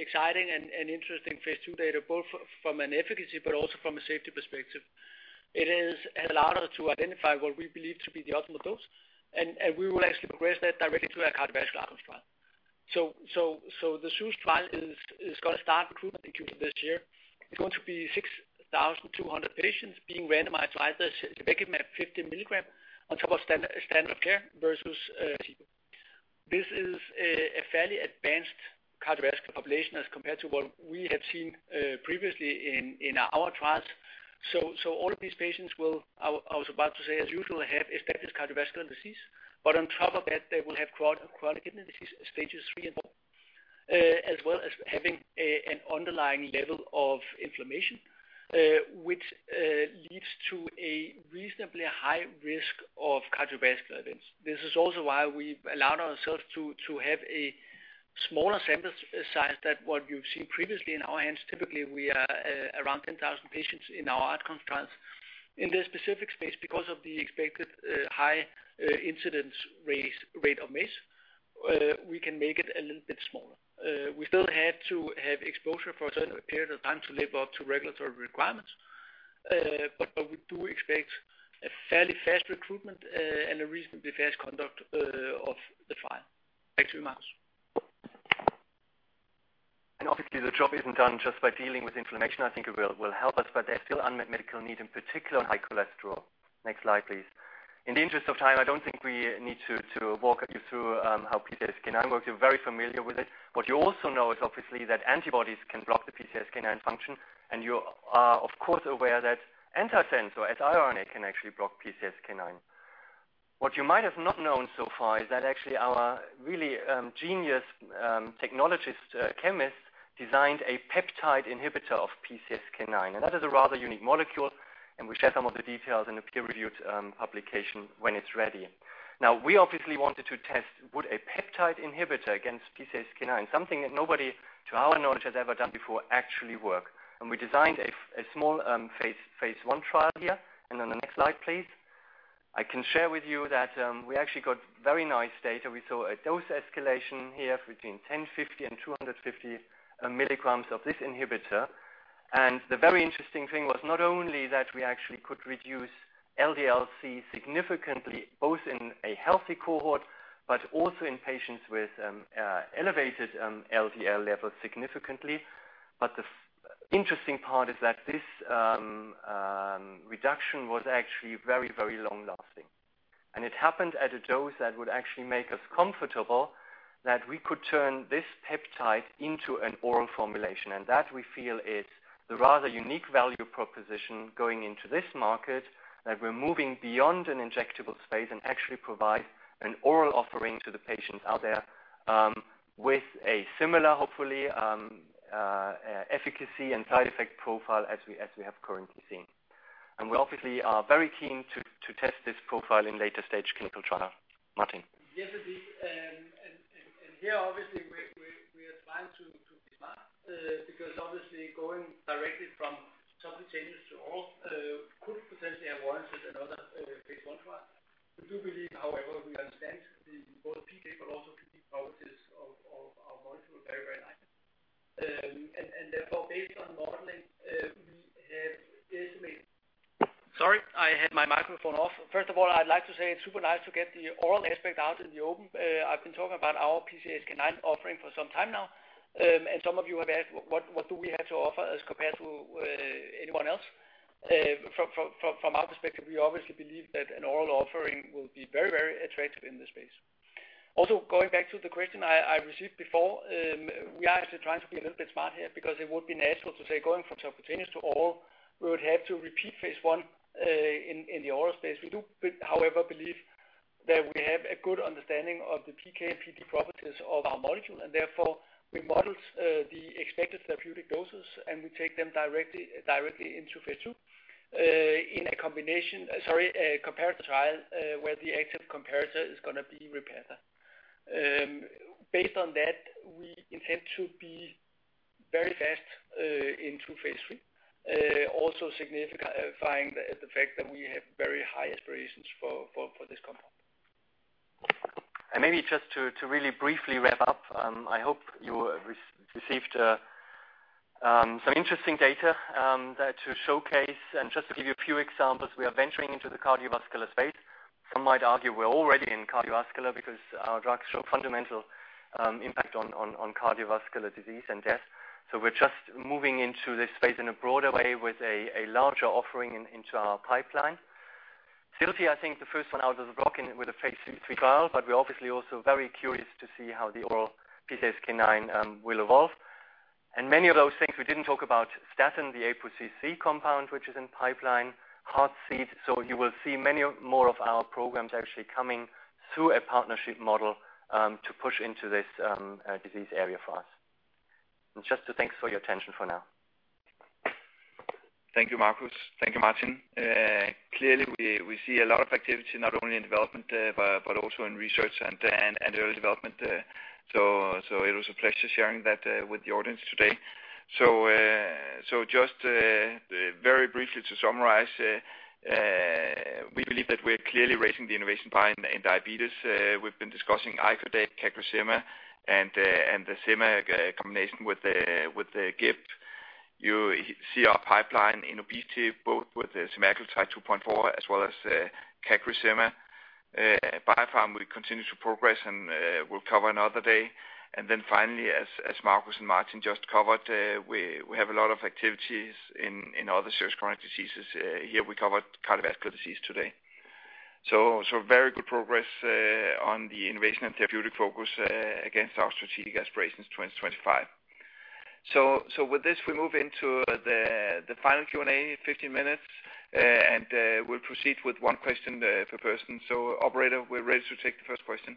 exciting and interesting phase II data, both from an efficacy but also from a safety perspective. It has allowed us to identify what we believe to be the optimal dose, and we will actually progress that directly to a cardiovascular outcome trial. The ZEUS trial is going to start recruiting this year. It's going to be 6,200 patients being randomized either to ziltivekimab 50 mg on top of standard care versus placebo. This is a fairly advanced cardiovascular population as compared to what we have seen previously in our trials. All of these patients will, I was about to say, as usual, have established cardiovascular disease. On top of that, they will have chronic kidney disease stages 3 and 4, as well as having an underlying level of inflammation, which leads to a reasonably high risk of cardiovascular events. This is also why we've allowed ourselves to have a smaller sample size than what you've seen previously in our hands. Typically, we are around 10,000 patients in our outcomes trials. In this specific space, because of the expected high incidence rate of MACE, we can make it a little bit smaller. We still had to have exposure for a certain period of time to live up to regulatory requirements. We do expect a fairly fast recruitment and a reasonably fast conduct of the trial, 18 months. Obviously, the job isn't done just by dealing with inflammation. I think it will help us, but there's still unmet medical need, in particular high cholesterol. Next slide, please. In the interest of time, I don't think we need to walk you through how PCSK9 works. You're very familiar with it. What you also know is obviously that antibodies can block the PCSK9 function, and you are, of course, aware that antisense or siRNA can actually block PCSK9. What you might have not known so far is that actually our really genius technologist chemist designed a peptide inhibitor of PCSK9. That is a rather unique molecule, and we share some of the details in a peer-reviewed publication when it's ready. Now, we obviously wanted to test would a peptide inhibitor against PCSK9, something that nobody, to our knowledge, has ever done before, actually work. We designed a small phase I trial here. The next slide, please. I can share with you that we actually got very nice data. We saw a dose escalation here between 10 mg, 50 mg, and 250 mg of this inhibitor. The very interesting thing was not only that we actually could reduce LDL-C significantly, both in a healthy cohort, but also in patients with elevated LDL levels significantly. The interesting part is that this reduction was actually very, very long-lasting. It happened at a dose that would actually make us comfortable that we could turn this peptide into an oral formulation. That we feel is the rather unique value proposition going into this market, that we're moving beyond an injectable space and actually provide an oral offering to the patients out there, with a similar, hopefully, efficacy and side effect profile as we have currently seen. We obviously are very keen to test this profile in later-stage clinical trials. Martin. Yes, indeed. Here, obviously, we are trying to be smart because obviously going directly from subcutaneous to oral could potentially have advantages in other phase I trials. We do believe, however, we understand both PK but also PD properties of our molecule very nicely. Therefore, based on modeling, we have estimated... Sorry, I had my microphone off. First of all, I'd like to say it's super nice to get the oral aspect out in the open. I've been talking about our PCSK9 offering for some time now, and some of you have asked what do we have to offer as compared to anyone else. From our perspective, we obviously believe that an oral offering will be very, very attractive in this space. Also, going back to the question I received before, we are actually trying to be a little bit smart here because it would be natural to say going from subcutaneous to oral, we would have to repeat phase I in the oral space. We do, however, believe that we have a good understanding of the PK/PD properties of our molecule, and therefore we modeled the expected therapeutic doses, and we take them directly into phase II. Sorry, a comparator trial, where the active comparator is going to be REPATHA. Based on that, we intend to be very fast into phase III. Also signifying the fact that we have very high aspirations for this compound. Maybe just to really briefly wrap up, I hope you received some interesting data to showcase and just to give you a few examples. We are venturing into the cardiovascular space. Some might argue we're already in cardiovascular because our drugs show fundamental impact on cardiovascular disease and death. We're just moving into this space in a broader way with a larger offering into our pipeline. Clearly, I think the first one out of the block with a phase III trial, but we're obviously also very curious to see how the oral PCSK9 will evolve. Many of those things we didn't talk about, Staten, the APOC3 compound, which is in pipeline, Heartseed. You will see many more of our programs actually coming through a partnership model to push into this disease area for us. Just to thank for your attention for now. Thank you, Marcus. Thank you, Martin. Clearly, we see a lot of activity not only in development but also in research and early development. It was a pleasure sharing that with the audience today. Just very briefly to summarize, we believe that we're clearly raising the innovation bar in diabetes. We've been discussing icodec, CagriSema, and the sema combination with GIP. You see our pipeline in obesity, both with semaglutide 2.4 mg as well as CagriSema. Biopharma will continue to progress, we'll cover another day. Finally, as Marcus and Martin just covered, we have a lot of activities in other serious chronic diseases. Here we covered cardiovascular disease today. Very good progress on the investment therapeutic focus against our strategic aspirations 2025. With this, we move into the final Q&A, 15 minutes, and we'll proceed with one question per person. Operator, we're ready to take the first question.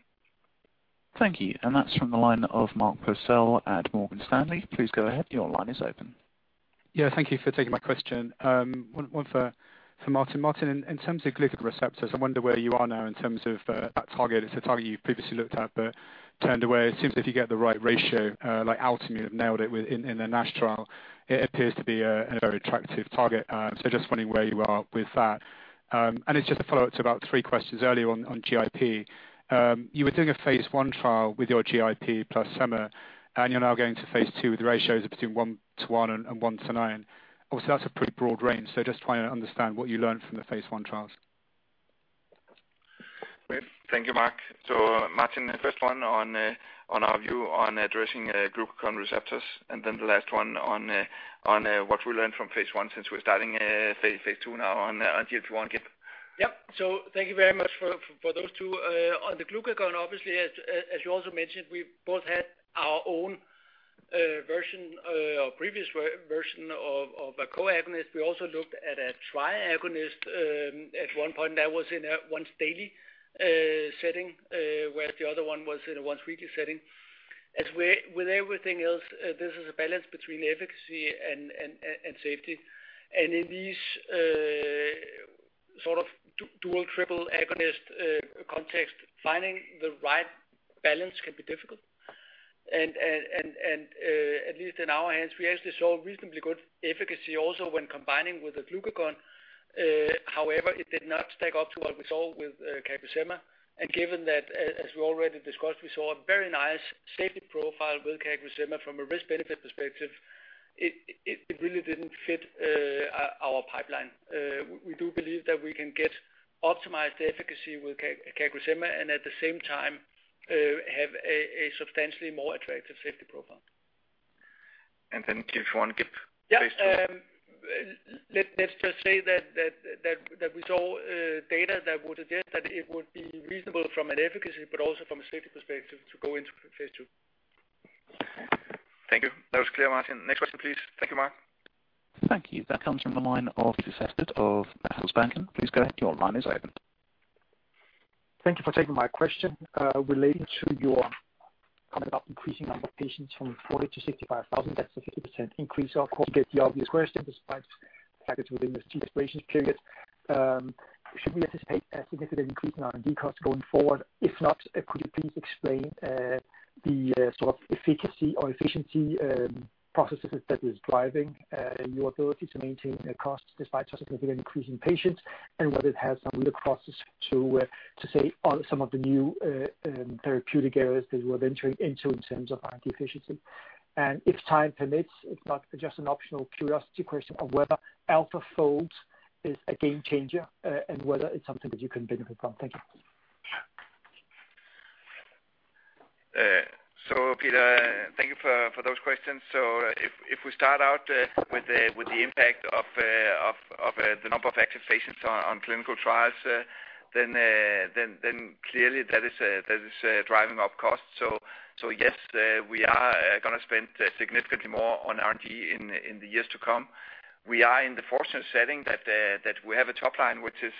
Thank you. That's from the line of Mark Purcell at Morgan Stanley. Please go ahead. Your line is open. Yeah, thank you for taking my question. One for Martin. Martin, in terms of glucagon receptors, I wonder where you are now in terms of that target. It is a target you previously looked at, but turned away. It seems if you get the right ratio, like Altimmune have nailed it in a NASH trial, it appears to be a very attractive target. Just wondering where you are with that. Just a follow-up to about three questions earlier on GIP. You were doing a phase I trial with your GIP plus sema, and you are now going to phase II with ratios between 1:1 and 1:9. Obviously, that is a pretty broad range, so I just want to understand what you learned from the phase I trials. Great. Thank you, Mark. Martin, the first one on our view on addressing glucagon receptors, and then the last one on what we learned from phase I since we're starting phase II now on GLP-1 GIP. Yeah. Thank you very much for those two. On the glucagon, obviously, as you also mentioned, we both had our own version or previous version of a co-agonist. We also looked at a tri-agonist, at one point that was in a once-daily setting, whereas the other one was in a once-weekly setting. As with everything else, this is a balance between efficacy and safety. In these sort of dual/triple agonist context, finding the right balance can be difficult. At least on our hands, we actually saw reasonably good efficacy also when combining with the glucagon. However, it did not stack up to what we saw with CagriSema. Given that, as we already discussed, we saw a very nice safety profile with CagriSema from a risk-benefit perspective, it really didn't fit our pipeline. We do believe that we can get optimized efficacy with CagriSema and at the same time, have a substantially more attractive safety profile. GLP-1 GIP phase II. Yeah. Let's just say that we saw data that would suggest that it would be reasonable from an efficacy but also from a safety perspective to go into phase II. Thank you. That was clear, Martin. Next question, please. Thank you, Mark. Thank you. That comes from the line of Peter Verdult of [Citi]. Please go ahead. Your line is open. Thank you for taking my question. Relating to your comment about increasing your patients from 40,000 to 65,000, that's a 60% increase year-over-year. Obviously, where despite targets within the strategic aspirations period, should we anticipate a significant increase in R&D costs going forward? If not, could you please explain the sort of efficacy or efficiency processes that is driving your ability to maintain cost despite such a significant increase in patients, and whether it has some look-for's to, say, on some of the new therapeutic areas that you are venturing into in terms of R&D efficiency? If time permits, if not, just an optional curiosity question of whether AlphaFold is a game changer and whether it's something that you can benefit from. Thank you. Peter, thank you for those questions. If we start out with the impact of the number of active patients on clinical trials, clearly that is driving up costs. Yes, we are going to spend significantly more on R&D in the years to come. We are in the fortunate setting that we have a top line which is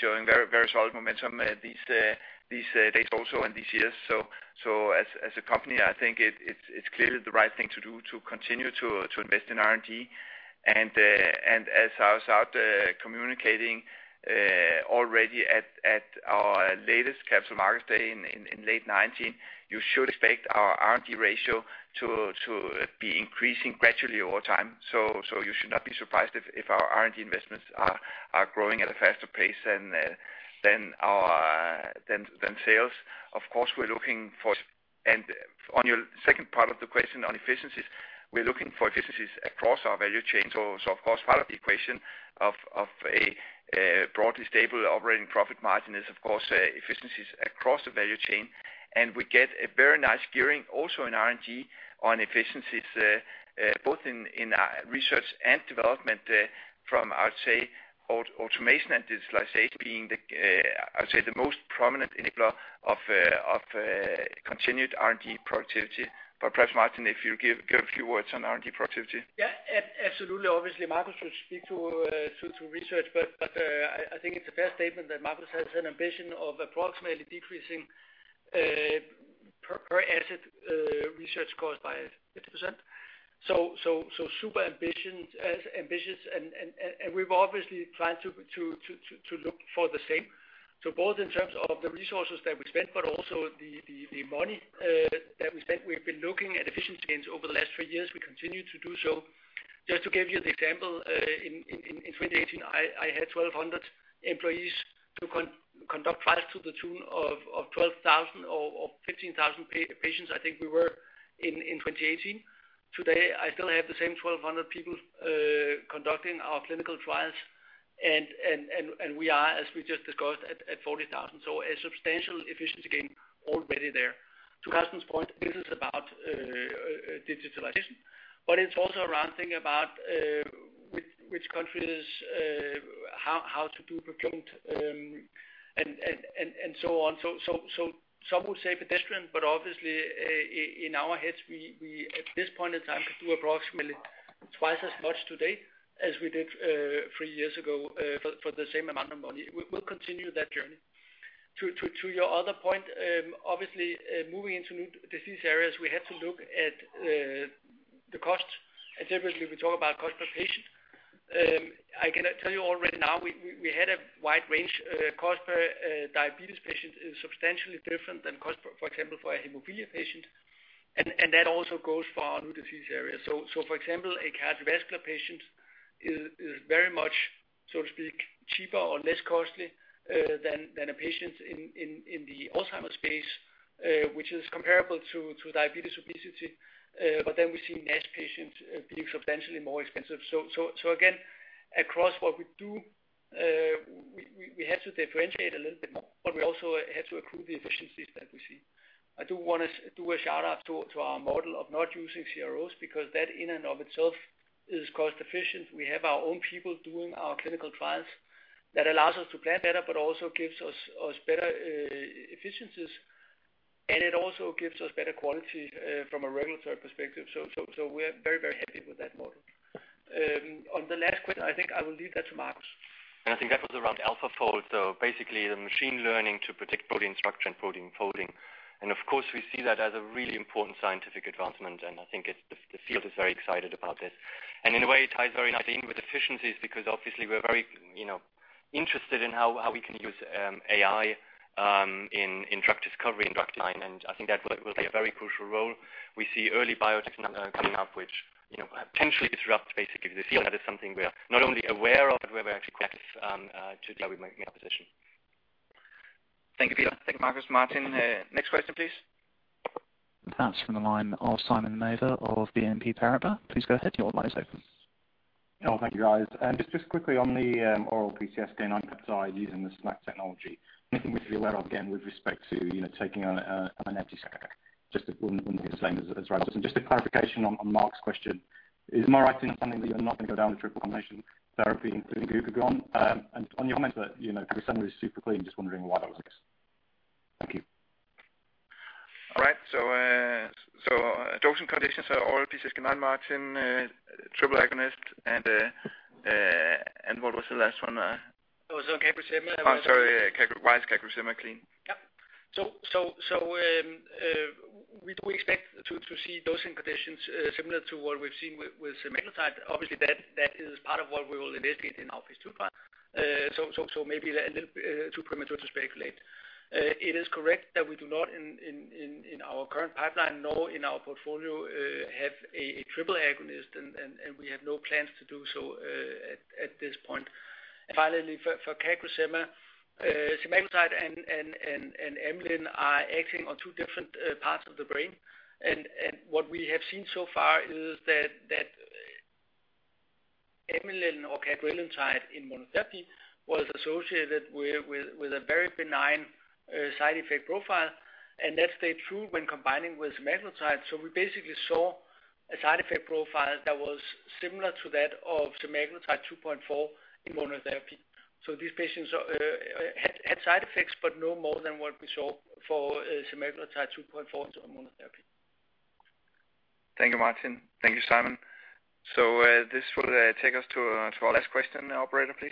showing very solid momentum these days also and these years. As a company, I think it's clearly the right thing to do to continue to invest in R&D. As I started communicating already at our latest Capital Markets Day in late 2019, you should expect our R&D ratio to be increasing gradually over time. You should not be surprised if our R&D investments are growing at a faster pace than sales. On your second part of the question on efficiencies, we're looking for efficiencies across our value chain. Of course, part of the equation of a broadly stable operating profit margin is, of course, efficiencies across the value chain. We get a very nice gearing also in R&D on efficiencies, both in research and development from, I would say, automation and digitalization being the, I would say, the most prominent enabler of continued R&D productivity. Perhaps, Martin, if you give a few words on R&D productivity. Yeah, absolutely. Obviously, Marcus should speak to research, but I think it's a fair statement that Marcus has an ambition of approximately decreasing per asset research cost by 50%. Super ambitious, and we've obviously tried to look for the same. Both in terms of the resources that we spent, but also the money that we spent, we've been looking at efficiency gains over the last three years. We continue to do so. Just to give you an example, in 2018, I had 1,200 employees to conduct trials to the tune of 12,000 or 15,000 patients, I think we were in 2018. Today, I still have the same 1,200 people conducting our clinical trials, and we are, as we just discussed, at 40,000. A substantial efficiency gain already there. To Marcus' point, it is about digitalization. It's also around thinking about which countries, how to do procurement, and so on. Some will say pedestrian, but obviously in our heads, we at this point in time could do approximately twice as much today as we did three years ago for the same amount of money. We'll continue that journey. To your other point, obviously, moving into new disease areas, we have to look at the cost. Typically, we talk about cost per patient. I can tell you already now we had a wide range. Cost per diabetes patient is substantially different than cost, for example, for a hemophilia patient. That also goes for other disease areas. For example, a cardiovascular patient is very much, so to speak, cheaper or less costly than a patient in the Alzheimer's space, which is comparable to diabetes obesity. We see NASH patients being substantially more expensive. Again, across what we do, we have to differentiate a little bit more, but we also have to accrue the efficiencies that we see. I do want to do a shout-out to our model of not using CROs because that in and of itself is cost efficient. We have our own people doing our clinical trials. That allows us to plan better, but also gives us better efficiencies, and it also gives us better quality from a regulatory perspective. We are very happy with that model. On the last question, I think I will leave that to Marcus. I think that was around AlphaFold. Basically the machine learning to predict protein structure and protein folding. Of course, we see that as a really important scientific advancement, and I think the field is very excited about this. In a way, it ties very nicely with efficiencies because obviously we're very interested in how we can use AI in drug discovery and drug design, and I think that will play a very crucial role. We see early biosignals coming up which potentially disrupt basically the field. That is something we are not only aware of, but we're actually taking a deliberate position. Thank you. Thanks, Marcus. Martin, next question, please. That's from the line of Simon Mather of BNP Paribas. Please go ahead. Your line's open. Thank you, guys. Just quickly on the oral GLP-1 agonist side using the SNAC technology, anything that you're aware of, again, with respect to taking on an anti-psychotic, just it wouldn't be the same as. [AUDIO DISTORTION] Just a clarification on Mark's question. Is my understanding that you're not going to go down the triple agonist therapy, including glucagon? On your point that semaglutide is super clean, just wondering why that was the case. Thank you. All right. Dosing conditions are oral PCSK9, Martin, triple agonist, and what was the last one? It was on CagriSema. Sorry, why is CagriSema clean? We do expect to see dosing conditions similar to what we've seen with semaglutide. Obviously, that is part of what we were investigating in our phase II trial. Maybe a little too premature to speculate. It is correct that we do not in our current pipeline, nor in our portfolio, have a triple agonist, and we have no plans to do so at this point. Finally, for CagriSema, semaglutide and amylin are acting on two different parts of the brain. What we have seen so far is that amylin or cagrilintide in monotherapy was associated with a very benign side effect profile. That stayed true when combining with semaglutide. We basically saw a side effect profile that was similar to that of semaglutide 2.4 mg in monotherapy. These patients had side effects, but no more than what we saw for semaglutide 2.4 mg in monotherapy. Thank you, Martin. Thank you, Simon. This will take us to our last question. Operator, please.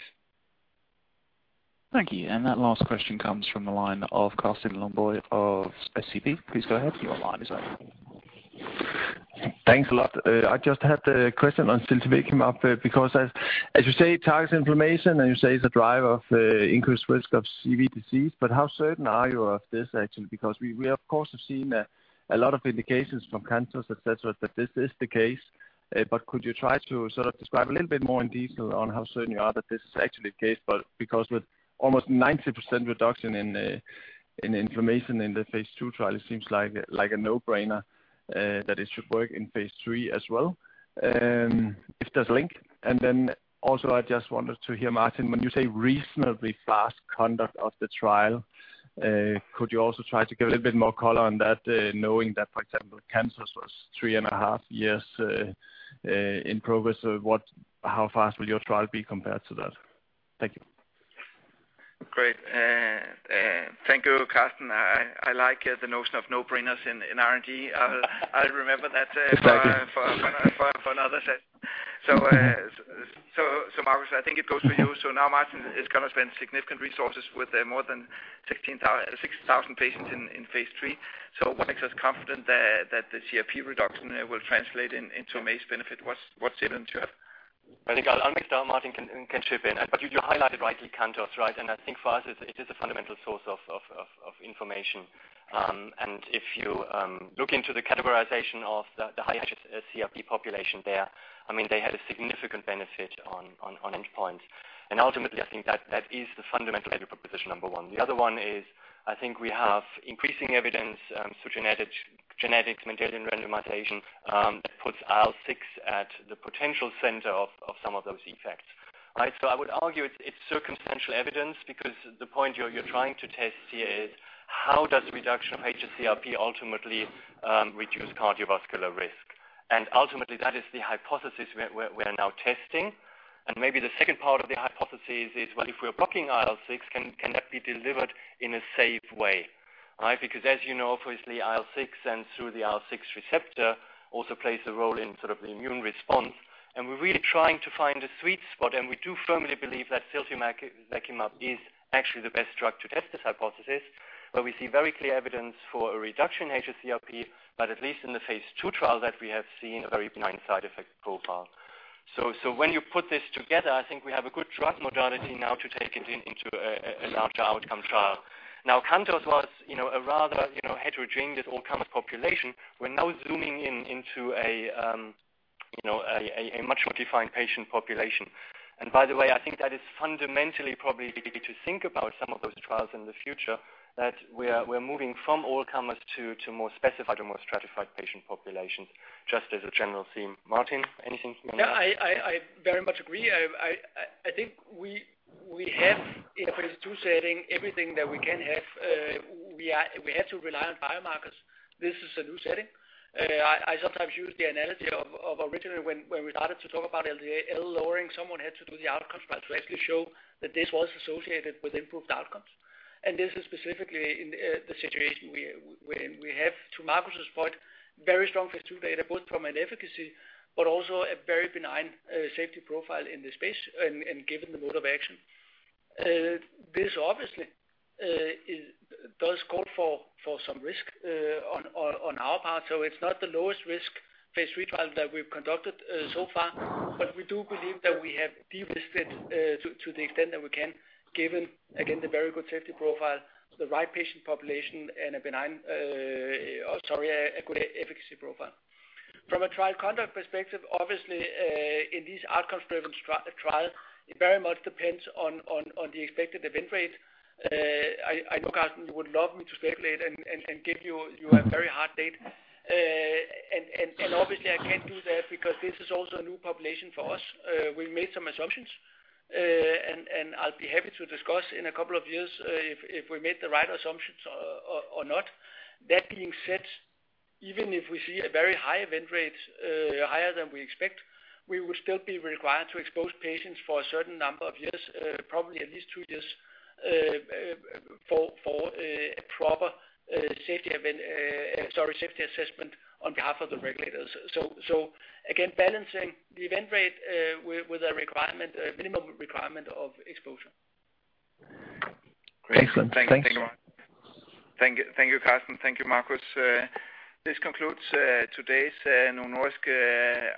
Thank you. That last question comes from the line of Carsten Lønborg of SEB. Please go ahead. Your line is open. Thanks a lot. I just had the question on ziltivekimab because as you say it targets inflammation and you say it's a driver of increased risk of CV disease. How certain are you of this actually? Because we of course have seen a lot of indications from CANTOS, et cetera, that this is the case. Could you try to sort of describe a little bit more in detail on how certain you are that this is actually the case? Because with almost 90% reduction in inflammation in the phase II trial, it seems like a no-brainer that it should work in phase III as well, if there's a link. I just wanted to hear, Martin, when you say reasonably fast conduct of the trial, could you also try to give a little bit more color on that, knowing that, for example, CANTOS was three and a half years in progress. How fast will your trial be compared to that? Thank you. Great. Thank you, Carsten. I like the notion of no-brainers in R&D. I'll remember that for another session. Marcus, I think it goes to you. Now Martin is going to spend significant resources with more than 16,000 patients in phase III. What makes us confident that the CRP reduction will translate into a MACE benefit? What's given to you? I think I'll only start, Martin can chip in. You highlight it rightly, Carsten. I think for us, it is a fundamental source of information. If you look into the categorization of the hsCRP population there, they had a significant benefit on endpoint. Ultimately, I think that is the fundamental data position number one. The other one is, I think we have increasing evidence through Mendelian randomizations that puts IL-6 at the potential center of some of those effects. Right? I would argue it's circumstantial evidence, because the point you're trying to test here is how does reduction of hsCRP ultimately reduce cardiovascular risk? Ultimately, that is the hypothesis we are now testing. Maybe the second part of the hypothesis is, well, if we're blocking IL-6, can that be delivered in a safe way? As you know, obviously, IL-6 and through the IL-6 receptor also plays a role in the immune response, we're really trying to find the sweet spot. We do firmly believe that ziltivekimab is actually the best drug to test this hypothesis, where we see very clear evidence for a reduction in hs-CRP, at least in the phase II trial that we have seen a very benign side effect profile. When you put this together, I think we have a good drug modality now to take it into a larger outcome trial. CANTOS was a rather heterogeneous outcome population. We're now zooming into a much more defined patient population. By the way, I think that is fundamentally probably the way to think about some of those trials in the future, that we're moving from all comers to more specified or more stratified patient populations, just as a general theme. Martin, anything from you? I very much agree. I think we have in a phase II setting everything that we can have. We had to rely on biomarkers. This is a new setting. I sometimes use the analogy of originally when we started to talk about LDL-C lowering, someone had to do the outcomes trials to actually show that this was associated with improved outcomes. This is specifically the situation we have. To Marcus's point, very strong phase II data, both from an efficacy but also a very benign safety profile in the space and given the mode of action. This obviously does call for some risk on our part. It's not the lowest risk phase III trial that we've conducted so far, but we do believe that we have de-risked it to the extent that we can, given, again, the very good safety profile, the right patient population, and a benign, or sorry, a good efficacy profile. From a trial conduct perspective, obviously, in these outcomes-driven trial, it very much depends on the expected event rate. I know Carsten would love me to speculate and give you a very hard date. Obviously, I can't do that because this is also a new population for us. We made some assumptions, and I'll be happy to discuss in a couple of years if we made the right assumptions or not. That being said, even if we see a very high event rate, higher than we expect, we will still be required to expose patients for a certain number of years, probably at least two years for a proper safety assessment on behalf of the regulators. Again, balancing the event rate with a minimum requirement of exposure. Excellent. Thank you, Martin. Thank you, Carsten. Thank you, Marcus. This concludes today's Novo Nordisk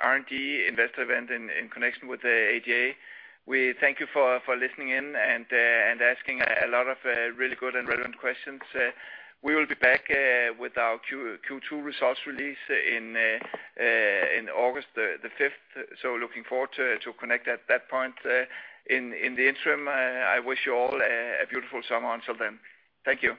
R&D Investor event in connection with the ADA. We thank you for listening in and asking a lot of really good and relevant questions. We will be back with our Q2 results release in August 5th. Looking forward to connect at that point. In the interim, I wish you all a beautiful summer until then. Thank you.